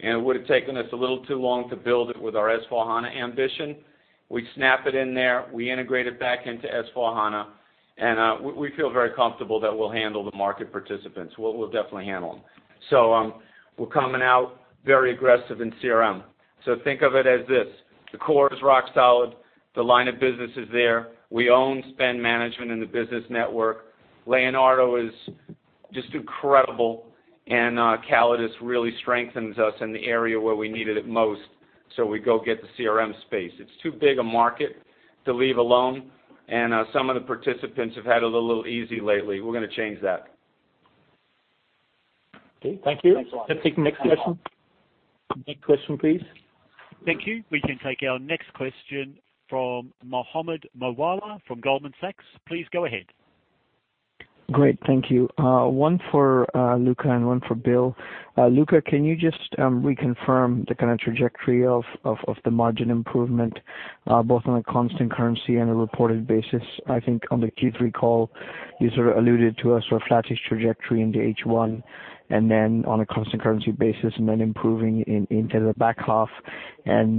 It would have taken us a little too long to build it with our S/4HANA ambition. We snap it in there, we integrate it back into S/4HANA, we feel very comfortable that we'll handle the market participants. We'll definitely handle them. We're coming out very aggressive in CRM. Think of it as this. The core is rock solid. The line of business is there. We own spend management in the business network. Leonardo is just incredible, and Callidus really strengthens us in the area where we need it at most. We go get the CRM space. It's too big a market to leave alone, and some of the participants have had it a little easy lately. We're going to change that.
Okay, thank you. Thanks a lot.
Let's take the next question. Next question, please.
Thank you. We can take our next question from Mohammed Moawalla from Goldman Sachs. Please go ahead.
Great. Thank you. One for Luka and one for Bill. Luka, can you just reconfirm the trajectory of the margin improvement, both on a constant currency and a reported basis? I think on the Q3 call, you sort of alluded to a sort of flattish trajectory into H1, then on a constant currency basis, then improving into the back half.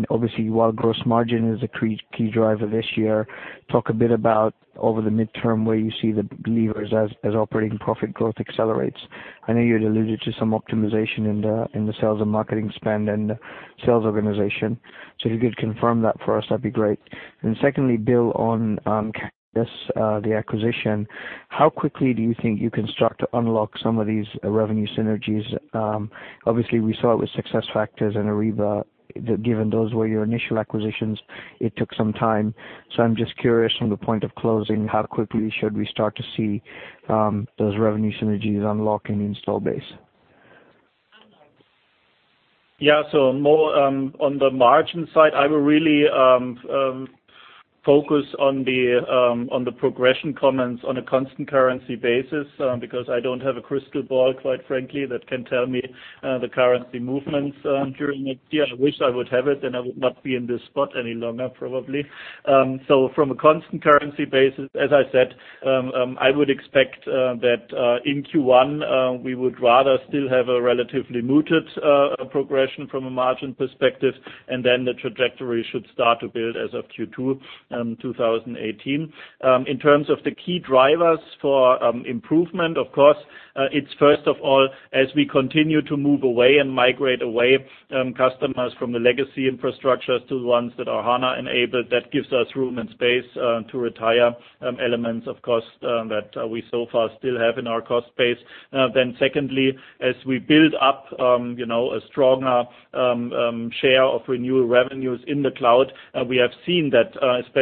Obviously, while gross margin is a key driver this year, talk a bit about over the midterm where you see the levers as operating profit growth accelerates. I know you'd alluded to some optimization in the sales and marketing spend and sales organization. If you could confirm that for us, that'd be great. Secondly, Bill, on Callidus, the acquisition. How quickly do you think you can start to unlock some of these revenue synergies? Obviously, we saw it with SuccessFactors and Ariba. Given those were your initial acquisitions, it took some time. I'm just curious from the point of closing, how quickly should we start to see those revenue synergies unlocking in install base?
Mo, on the margin side, I will really focus on the progression comments on a constant currency basis because I don't have a crystal ball, quite frankly, that can tell me the currency movements during the year. I wish I would have it, then I would not be in this spot any longer, probably. From a constant currency basis, as I said, I would expect that in Q1, we would rather still have a relatively muted progression from a margin perspective, then the trajectory should start to build as of Q2 2018. Secondly, as we build up a stronger share of renewal revenues in the cloud, we have seen that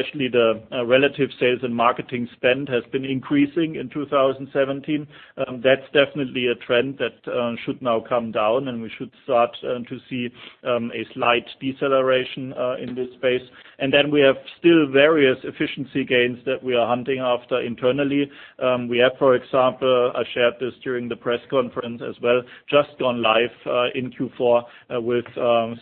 especially the relative sales and marketing spend has been increasing in 2017. That's definitely a trend that should now come down, and we should start to see a slight deceleration in this space. Then we have still various efficiency gains that we are hunting after internally. We have, for example, I shared this during the press conference as well, just gone live in Q4 with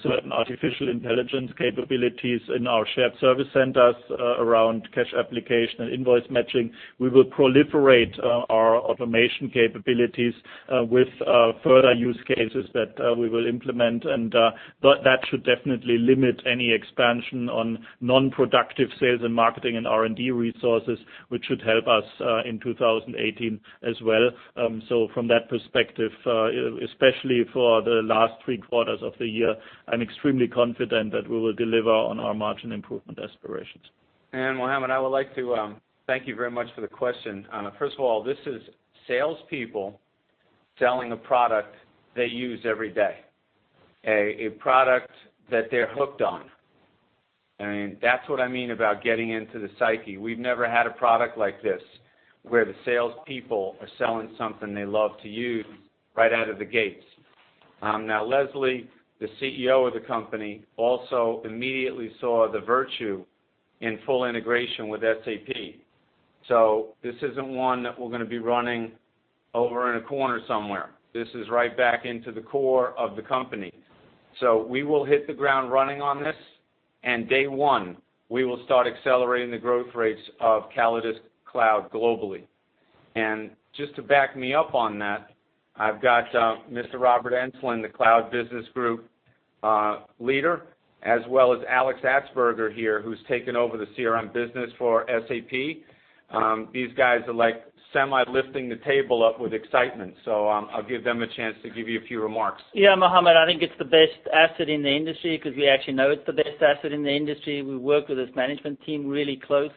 certain artificial intelligence capabilities in our shared service centers around cash application and invoice matching. We will proliferate our automation capabilities with further use cases that we will implement. That should definitely limit any expansion on non-productive sales and marketing and R&D resources, which should help us in 2018 as well. From that perspective, especially for the last three quarters of the year, I'm extremely confident that we will deliver on our margin improvement aspirations.
Mohammed, I would like to thank you very much for the question. First of all, this is salespeople selling a product they use every day. A product that they're hooked on. That's what I mean about getting into the psyche. We've never had a product like this where the salespeople are selling something they love to use right out of the gates. Now, Leslie, the CEO of the company, also immediately saw the virtue in full integration with SAP. This isn't one that we're going to be running over in a corner somewhere. This is right back into the core of the company. We will hit the ground running on this, and day one, we will start accelerating the growth rates of CallidusCloud globally. Just to back me up on that, I've got Mr. Rob Enslin, the cloud business group leader, as well as Alex Atzberger here, who's taken over the CRM business for SAP. These guys are semi-lifting the table up with excitement. I'll give them a chance to give you a few remarks.
Yeah, Mohammed, I think it's the best asset in the industry because we actually know it's the best asset in the industry. We work with this management team really close.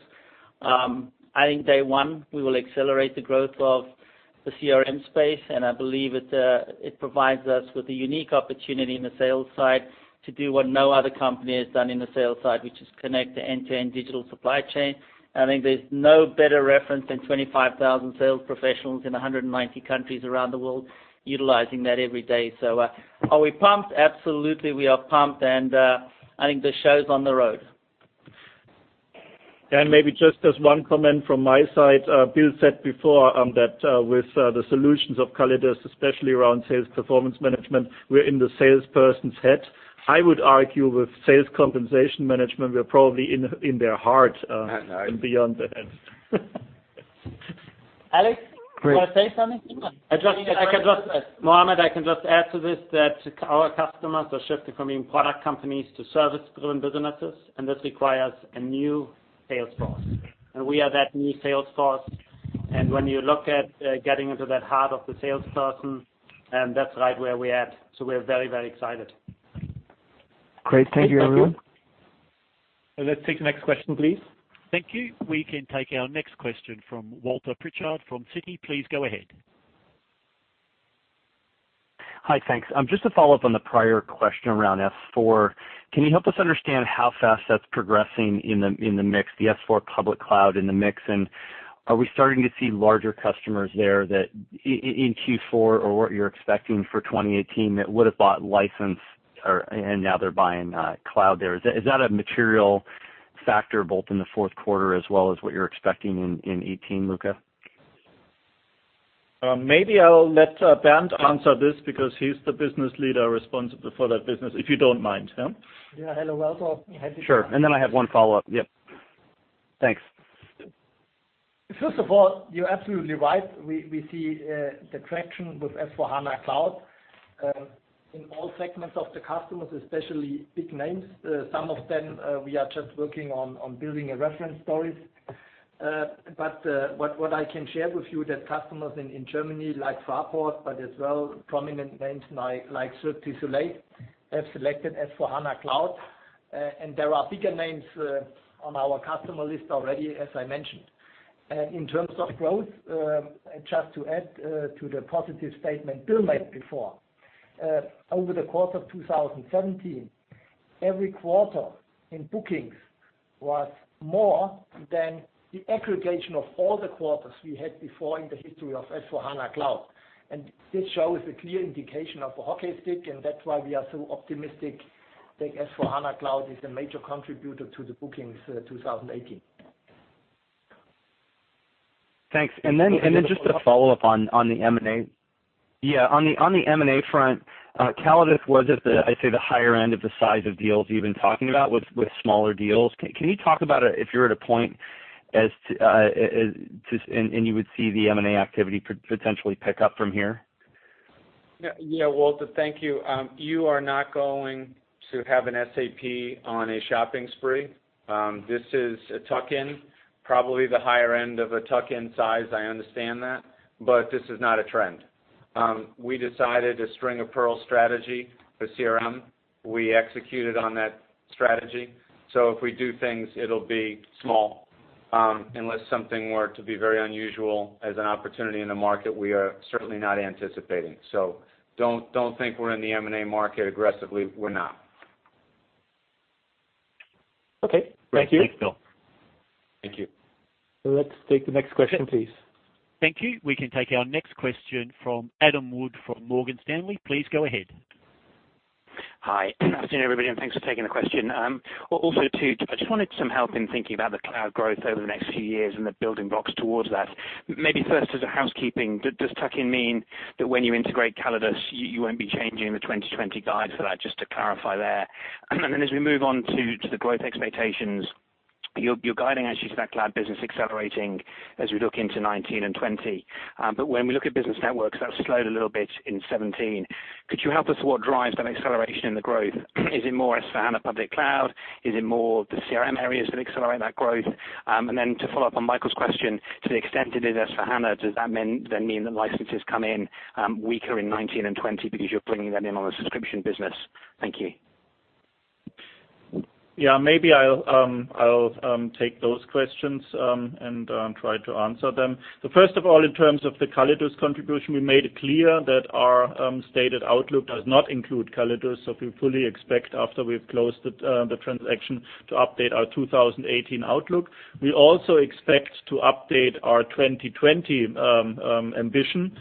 I think day one, we will accelerate the growth of the CRM space. I believe it provides us with a unique opportunity in the sales side to do what no other company has done in the sales side, which is connect the end-to-end digital supply chain. I think there's no better reference than 25,000 sales professionals in 190 countries around the world utilizing that every day. Are we pumped? Absolutely, we are pumped. I think the show's on the road.
Maybe just as one comment from my side. Bill said before that with the solutions of Callidus, especially around sales performance management, we're in the salesperson's head. I would argue with sales compensation management, we're probably in their heart and beyond that.
Alex, you want to say something?
Mohammed, I can just add to this that our customers are shifting from being product companies to service-driven businesses. This requires a new sales force. We are that new sales force. When you look at getting into that heart of the salesperson, that's right where we at. We're very excited.
Great. Thank you, everyone.
Let's take the next question, please.
Thank you. We can take our next question from Walter Pritchard from Citi. Please go ahead.
Hi, thanks. Just to follow up on the prior question around S/4. Can you help us understand how fast that's progressing in the mix, the S/4 public cloud in the mix, and are we starting to see larger customers there in Q4 or what you're expecting for 2018 that would've bought license and now they're buying cloud there? Is that a material factor both in the fourth quarter as well as what you're expecting in 2018, Luka?
Maybe I'll let Bernd answer this because he's the business leader responsible for that business, if you don't mind.
Yeah. Hello, Walter. Happy to-
Sure. I have one follow-up. Yep. Thanks.
First of all, you're absolutely right. We see the traction with S/4HANA Cloud in all segments of the customers, especially big names. Some of them, we are just working on building a reference story. What I can share with you, the customers in Germany like Fraport, as well prominent names like Cirque du Soleil, have selected S/4HANA Cloud. There are bigger names on our customer list already, as I mentioned. In terms of growth, just to add to the positive statement Bill made before. Over the course of 2017, every quarter in bookings was more than the aggregation of all the quarters we had before in the history of S/4HANA Cloud. This shows a clear indication of a hockey stick, and that's why we are so optimistic that S/4HANA Cloud is a major contributor to the bookings for 2018.
Thanks. Just a follow-up on the M&A. On the M&A front, Callidus was at the, I'd say, the higher end of the size of deals you've been talking about with smaller deals. Can you talk about if you're at a point and you would see the M&A activity potentially pick up from here?
Yeah, Walter. Thank you. You are not going to have an SAP on a shopping spree. This is a tuck-in, probably the higher end of a tuck-in size. I understand that, this is not a trend. We decided a string-of-pearls strategy for CRM. We executed on that strategy. If we do things, it'll be small. Unless something were to be very unusual as an opportunity in the market, we are certainly not anticipating. Don't think we're in the M&A market aggressively. We're not.
Okay. Thank you.
Thanks, Bill. Thank you.
Let's take the next question, please.
Thank you. We can take our next question from Adam Wood from Morgan Stanley. Please go ahead.
Hi. Good afternoon, everybody, and thanks for taking the question. I just wanted some help in thinking about the cloud growth over the next few years and the building blocks towards that. Maybe first as a housekeeping, does tuck-in mean that when you integrate Callidus, you won't be changing the 2020 guides for that? Just to clarify there. As we move on to the growth expectations, you're guiding actually for that cloud business accelerating as we look into 2019 and 2020. When we look at business networks, that slowed a little bit in 2017. Could you help us what drives that acceleration in the growth? Is it more SAP S/4HANA public cloud? Is it more the CRM areas that accelerate that growth? To follow up on Michael's question, to the extent it is SAP S/4HANA, does that then mean that licenses come in weaker in 2019 and 2020 because you're bringing them in on a subscription business? Thank you.
Yeah. Maybe I'll take those questions and try to answer them. First of all, in terms of the Callidus contribution, we made it clear that our stated outlook does not include Callidus. We fully expect after we've closed the transaction to update our 2018 outlook. We also expect to update our 2020 ambition.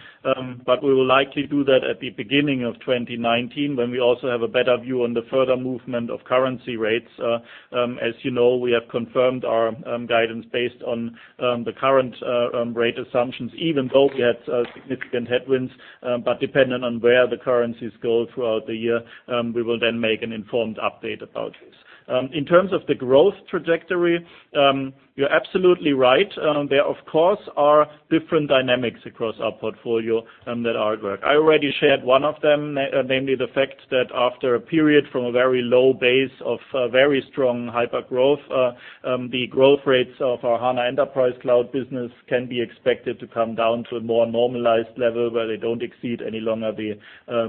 We will likely do that at the beginning of 2019 when we also have a better view on the further movement of currency rates. As you know, we have confirmed our guidance based on the current rate assumptions, even though we had significant headwinds. Dependent on where the currencies go throughout the year, we will then make an informed update about this. In terms of the growth trajectory, you're absolutely right. There, of course, are different dynamics across our portfolio that are at work. I already shared one of them, namely the fact that after a period from a very low base of very strong hypergrowth, the growth rates of our HANA Enterprise Cloud business can be expected to come down to a more normalized level where they don't exceed any longer the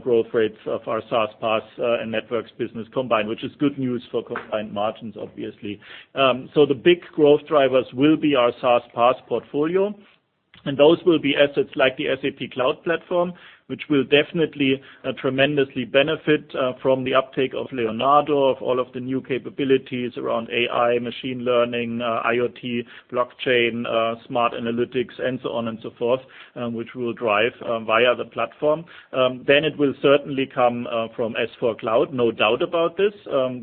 growth rates of our SaaS, PaaS, and Networks business combined, which is good news for combined margins, obviously. The big growth drivers will be our SaaS, PaaS portfolio. Those will be assets like the SAP Cloud Platform, which will definitely tremendously benefit from the uptake of Leonardo, of all of the new capabilities around AI, machine learning, IoT, blockchain, smart analytics, and so on and so forth, which we'll drive via the platform. It will certainly come from S/4 Cloud, no doubt about this.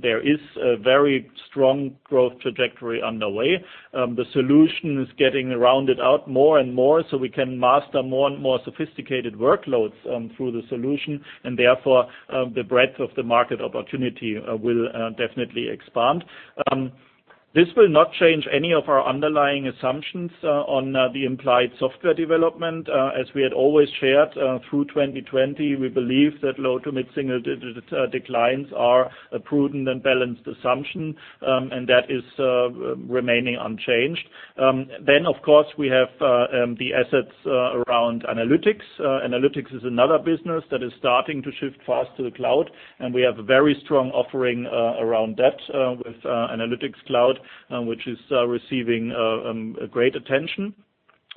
There is a very strong growth trajectory underway. The solution is getting rounded out more and more so we can master more and more sophisticated workloads through the solution, and therefore, the breadth of the market opportunity will definitely expand. This will not change any of our underlying assumptions on the implied software development. As we had always shared, through 2020, we believe that low to mid single-digit declines are a prudent and balanced assumption, and that is remaining unchanged. Of course, we have the assets around analytics. Analytics is another business that is starting to shift fast to the cloud, and we have a very strong offering around that with Analytics Cloud, which is receiving great attention.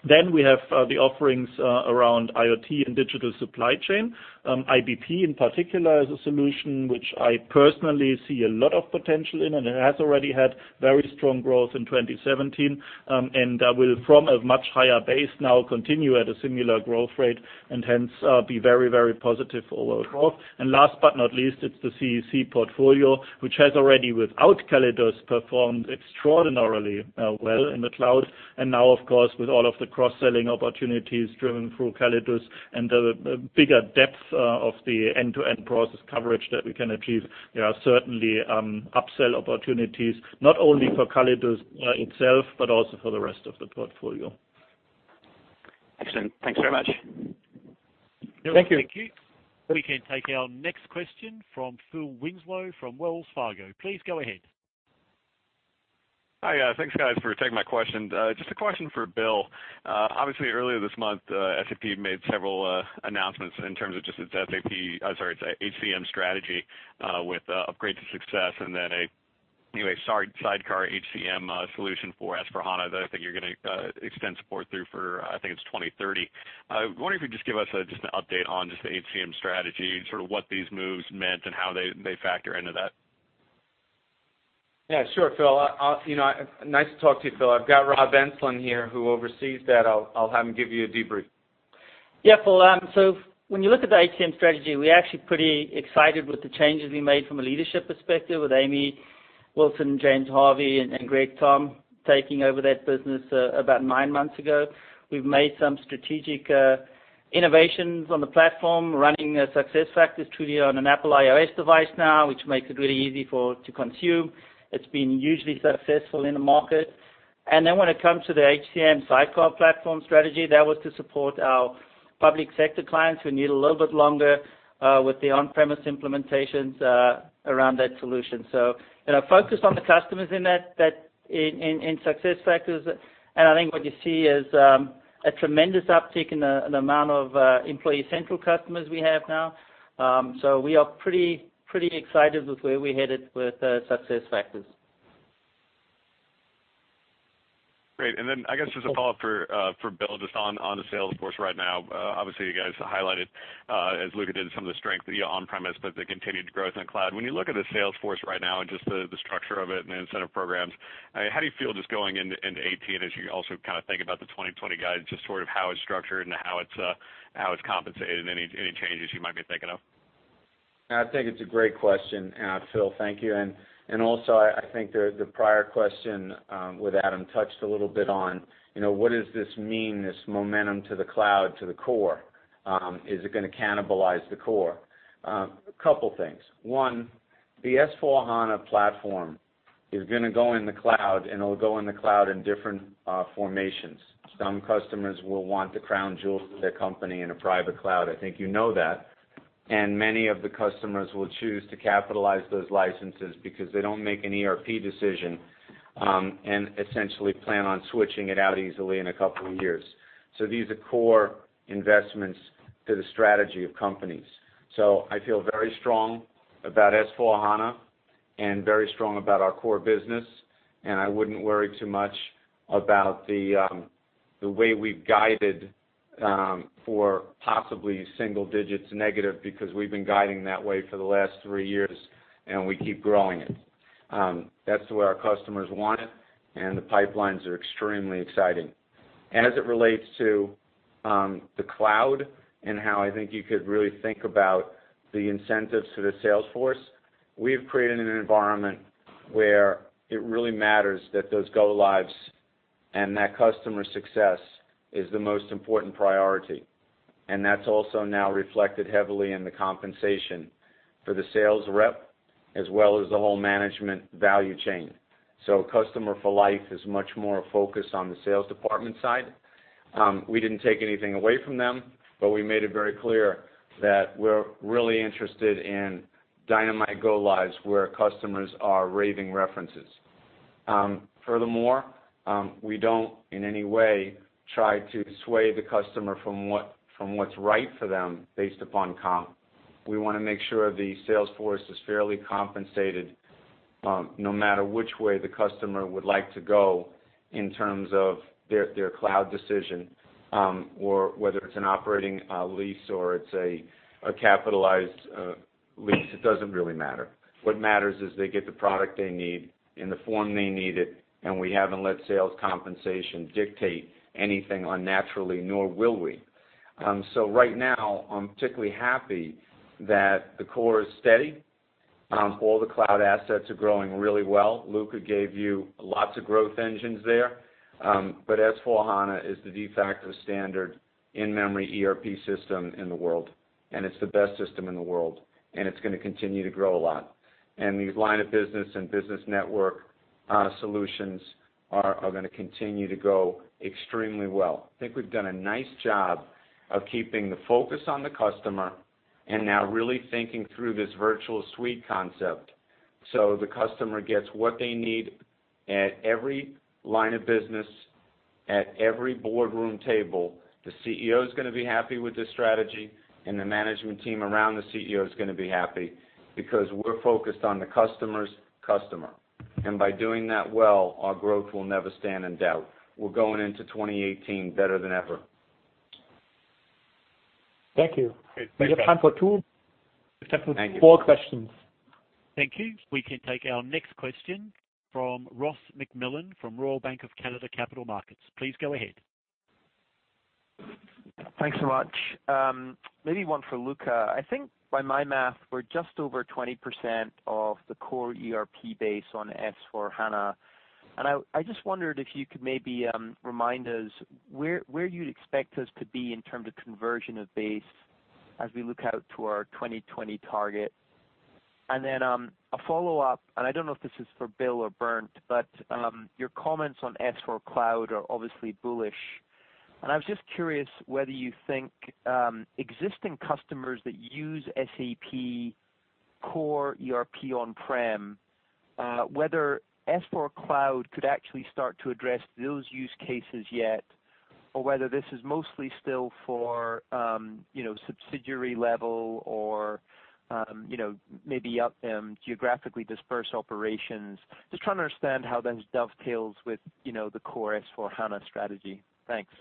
We have the offerings around IoT and digital supply chain. IBP in particular is a solution which I personally see a lot of potential in, and it has already had very strong growth in 2017, and that will, from a much higher base now, continue at a similar growth rate and hence be very positive for our growth. Last but not least, it's the CEC portfolio, which has already, without Callidus, performed extraordinarily well in the cloud. Now, of course, with all of the cross-selling opportunities driven through Callidus and the bigger depth of the end-to-end process coverage that we can achieve, there are certainly upsell opportunities, not only for Callidus itself, but also for the rest of the portfolio.
Excellent. Thanks very much.
Thank you.
Thank you. We can take our next question from Phil Winslow from Wells Fargo. Please go ahead.
Hi. Thanks, guys, for taking my question. Just a question for Bill. Obviously, earlier this month, SAP made several announcements in terms of just its SAP, sorry, its HCM strategy, with upgrades to Success and then a sidecar HCM solution for S/4HANA that I think you're going to extend support through for, I think it's 2030. I wonder if you'd just give us just an update on just the HCM strategy, sort of what these moves meant and how they factor into that.
Sure, Phil. Nice to talk to you, Phil. I've got Rob Enslin here, who oversees that. I'll have him give you a debrief.
Phil, when you look at the HCM strategy, we're actually pretty excited with the changes we made from a leadership perspective with Amy Wilson, James Harvey, and Greg Tomb taking over that business about nine months ago. We've made some strategic innovations on the platform, running SAP SuccessFactors truly on an Apple iOS device now, which makes it really easy to consume. It's been hugely successful in the market. When it comes to the HCM sidecar platform strategy, that was to support our public sector clients who need a little bit longer with the on-premise implementations around that solution. Focused on the customers in SAP SuccessFactors. I think what you see is a tremendous uptick in the amount of Employee Central customers we have now. We are pretty excited with where we're headed with SAP SuccessFactors.
Great. I guess just a follow-up for Bill, just on the sales force right now. Obviously, you guys highlighted, as Luka did, some of the strength of the on-premise, but the continued growth in the cloud. When you look at the sales force right now and just the structure of it and the incentive programs, how do you feel just going into 2018 as you also kind of think about the 2020 guide, just sort of how it's structured and how it's compensated, any changes you might be thinking of?
I think it's a great question, Phil. Thank you. Also, I think the prior question with Adam touched a little bit on, what does this mean, this momentum to the cloud, to the core? Is it going to cannibalize the core? A couple things. One, the SAP S/4HANA platform is going to go in the cloud, and it'll go in the cloud in different formations. Some customers will want the crown jewels of their company in a private cloud. I think you know that. Many of the customers will choose to capitalize those licenses because they don't make an ERP decision, and essentially plan on switching it out easily in a couple of years. These are core investments to the strategy of companies. I feel very strong about S/4HANA and very strong about our core business, I wouldn't worry too much about the way we've guided for possibly single-digits negative, because we've been guiding that way for the last three years, and we keep growing it. That's the way our customers want it, and the pipelines are extremely exciting. As it relates to the cloud and how I think you could really think about the incentives to the sales force, we've created an environment where it really matters that those go lives and that customer success is the most important priority. That's also now reflected heavily in the compensation for the sales rep, as well as the whole management value chain. Customer for life is much more a focus on the sales department side. We didn't take anything away from them, we made it very clear that we're really interested in dynamite go lives where customers are raving references. Furthermore, we don't in any way try to sway the customer from what's right for them based upon comp. We want to make sure the sales force is fairly compensated no matter which way the customer would like to go in terms of their cloud decision, or whether it's an operating lease or it's a capitalized lease, it doesn't really matter. What matters is they get the product they need in the form they need it, and we haven't let sales compensation dictate anything unnaturally, nor will we. Right now, I'm particularly happy that the core is steady. All the cloud assets are growing really well. Luka gave you lots of growth engines there. S/4HANA is the de facto standard in-memory ERP system in the world, and it's the best system in the world, and it's going to continue to grow a lot. The line of business and business network solutions are going to continue to go extremely well. I think we've done a nice job of keeping the focus on the customer and now really thinking through this virtual suite concept so the customer gets what they need at every line of business, at every boardroom table. The CEO is going to be happy with this strategy, and the management team around the CEO is going to be happy because we're focused on the customer's customer. By doing that well, our growth will never stand in doubt. We're going into 2018 better than ever.
Thank you. We have time for two.
Thank you.
We have time for four questions.
Thank you. We can take our next question from Ross MacMillan from Royal Bank of Canada Capital Markets. Please go ahead.
Thanks so much. Maybe one for Luka. I think by my math, we're just over 20% of the core ERP base on S/4HANA. I just wondered if you could maybe remind us where you'd expect us to be in terms of conversion of base as we look out to our 2020 target. Then, a follow-up, I don't know if this is for Bill or Bernd, but your comments on S/4 Cloud are obviously bullish. I was just curious whether you think existing customers that use SAP core ERP on-prem, whether S/4 Cloud could actually start to address those use cases yet, or whether this is mostly still for subsidiary level or maybe geographically dispersed operations. Just trying to understand how those dovetails with the core S/4HANA strategy. Thanks.
Yeah.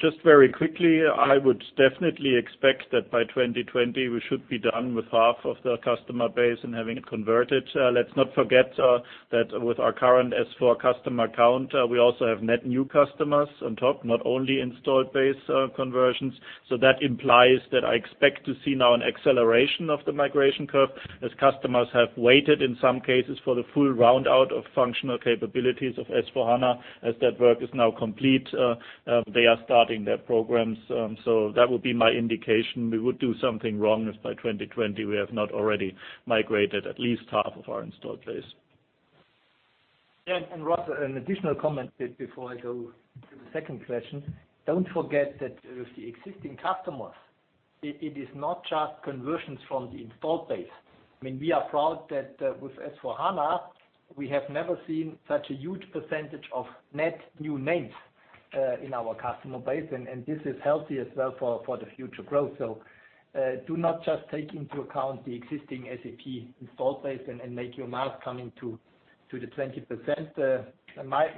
Just very quickly, I would definitely expect that by 2020, we should be done with half of the customer base and having it converted. Let's not forget that with our current S/4 customer count, we also have net new customers on top, not only installed base conversions. That implies that I expect to see now an acceleration of the migration curve as customers have waited in some cases for the full round out of functional capabilities of SAP S/4HANA. As that work is now complete, they are starting their programs. That would be my indication. We would do something wrong if by 2020 we have not already migrated at least half of our installed base.
Yeah. Ross, an additional comment before I go to the second question. Don't forget that with the existing customers, it is not just conversions from the installed base. We are proud that with SAP S/4HANA, we have never seen such a huge percentage of net new names in our customer base. This is healthy as well for the future growth. Do not just take into account the existing SAP installed base and make your math coming to the 20%.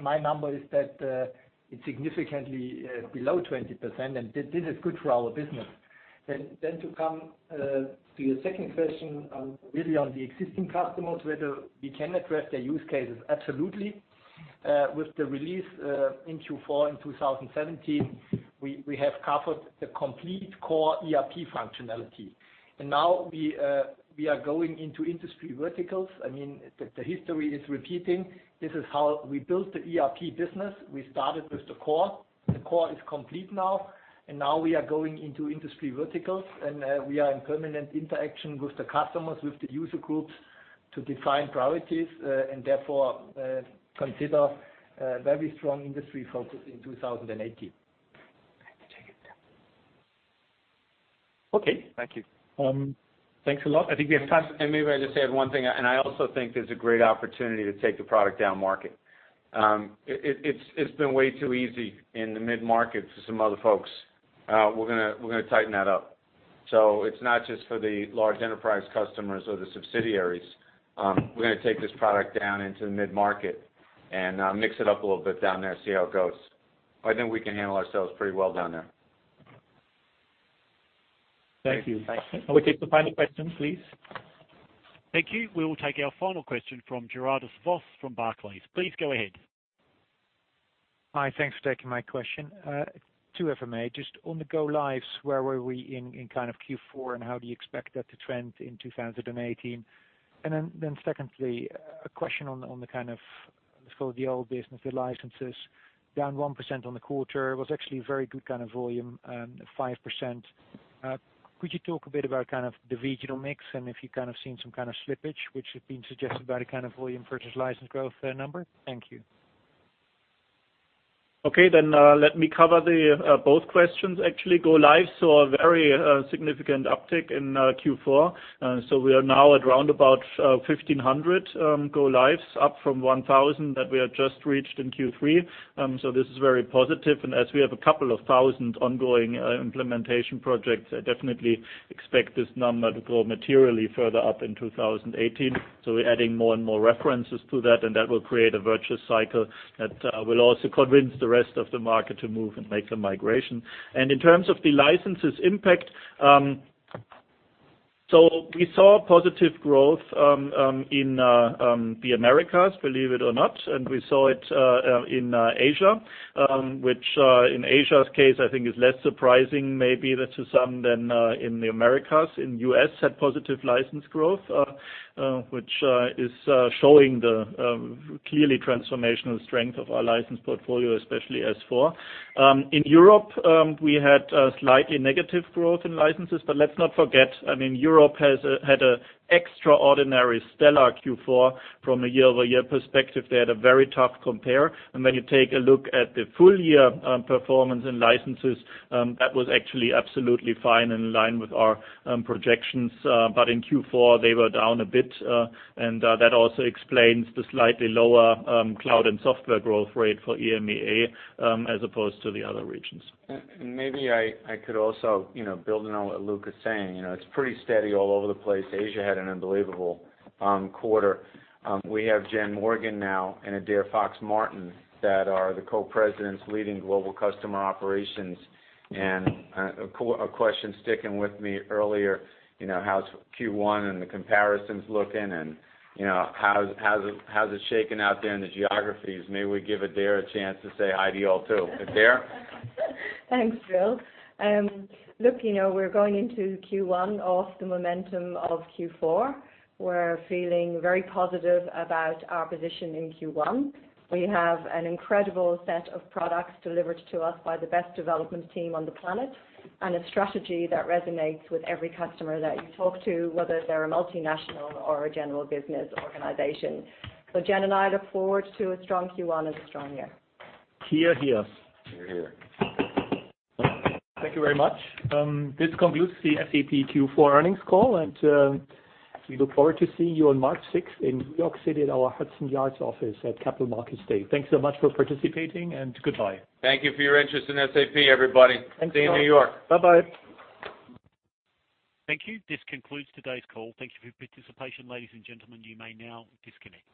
My number is that it's significantly below 20%, and this is good for our business. To come to your second question, really on the existing customers, whether we can address their use cases. Absolutely. With the release in Q4 in 2017, we have covered the complete core ERP functionality. Now we are going into industry verticals. The history is repeating. This is how we built the ERP business. We started with the core. The core is complete now we are going into industry verticals, we are in permanent interaction with the customers, with the user groups to define priorities, therefore, consider a very strong industry focus in 2018.
Okay. Thank you.
Thanks a lot. I think we have time.
Maybe I just add one thing, and I also think there's a great opportunity to take the product down market. It's been way too easy in the mid-market for some other folks. We're going to tighten that up. It's not just for the large enterprise customers or the subsidiaries. We're going to take this product down into the mid-market and mix it up a little bit down there, see how it goes. I think we can handle ourselves pretty well down there.
Thank you. Thanks. We'll take the final question, please.
Thank you. We will take our final question from Gerardus Vos from Barclays. Please go ahead.
Hi. Thanks for taking my question. Two for me. Just on the go lives, where were we in kind of Q4, and how do you expect that to trend in 2018? Secondly, a question on the kind of, let's call it the old business, the licenses down 1% on the quarter was actually very good kind of volume, 5%. Could you talk a bit about kind of the regional mix and if you seen some kind of slippage, which has been suggested by the kind of volume versus license growth number? Thank you.
Okay, let me cover both questions, actually. Go lives saw a very significant uptick in Q4. We are now at around about 1,500 go lives up from 1,000 that we had just reached in Q3. This is very positive. As we have a couple of thousand ongoing implementation projects, I definitely expect this number to grow materially further up in 2018. We're adding more and more references to that, and that will create a virtuous cycle that will also convince the rest of the market to move and make the migration. In terms of the licenses impact, we saw positive growth in the Americas, believe it or not, and we saw it in Asia. Which in Asia's case, I think is less surprising maybe to some than in the Americas.
In U.S. had positive license growth, which is showing the clearly transformational strength of our license portfolio, especially S/4. In Europe, we had slightly negative growth in licenses. Let's not forget, Europe had an extraordinary stellar Q4 from a year-over-year perspective. They had a very tough compare. When you take a look at the full year performance and licenses, that was actually absolutely fine in line with our projections. In Q4, they were down a bit, and that also explains the slightly lower cloud and software growth rate for EMEA, as opposed to the other regions. Maybe I could also build on what Luka is saying. It's pretty steady all over the place. Asia had an unbelievable quarter. We have Jen Morgan now and Adaire Fox-Martin that are the co-presidents leading global customer operations. A question sticking with me earlier, how's Q1 and the comparisons looking, and how's it shaking out there in the geographies? May we give Adaire a chance to say hi to you all, too. Adaire?
Thanks, Bill. We're going into Q1 off the momentum of Q4. We're feeling very positive about our position in Q1. We have an incredible set of products delivered to us by the best development team on the planet, and a strategy that resonates with every customer that you talk to, whether they're a multinational or a general business organization. Jen and I look forward to a strong Q1 and a strong year.
Hear, hear. Hear, hear.
Thank you very much. This concludes the SAP Q4 earnings call. We look forward to seeing you on March 6th in New York City at our Hudson Yards office at Capital Markets Day. Thanks so much for participating. Goodbye.
Thank you for your interest in SAP, everybody.
Thanks a lot.
See you in New York.
Bye-bye.
Thank you. This concludes today's call. Thank you for your participation, ladies and gentlemen. You may now disconnect.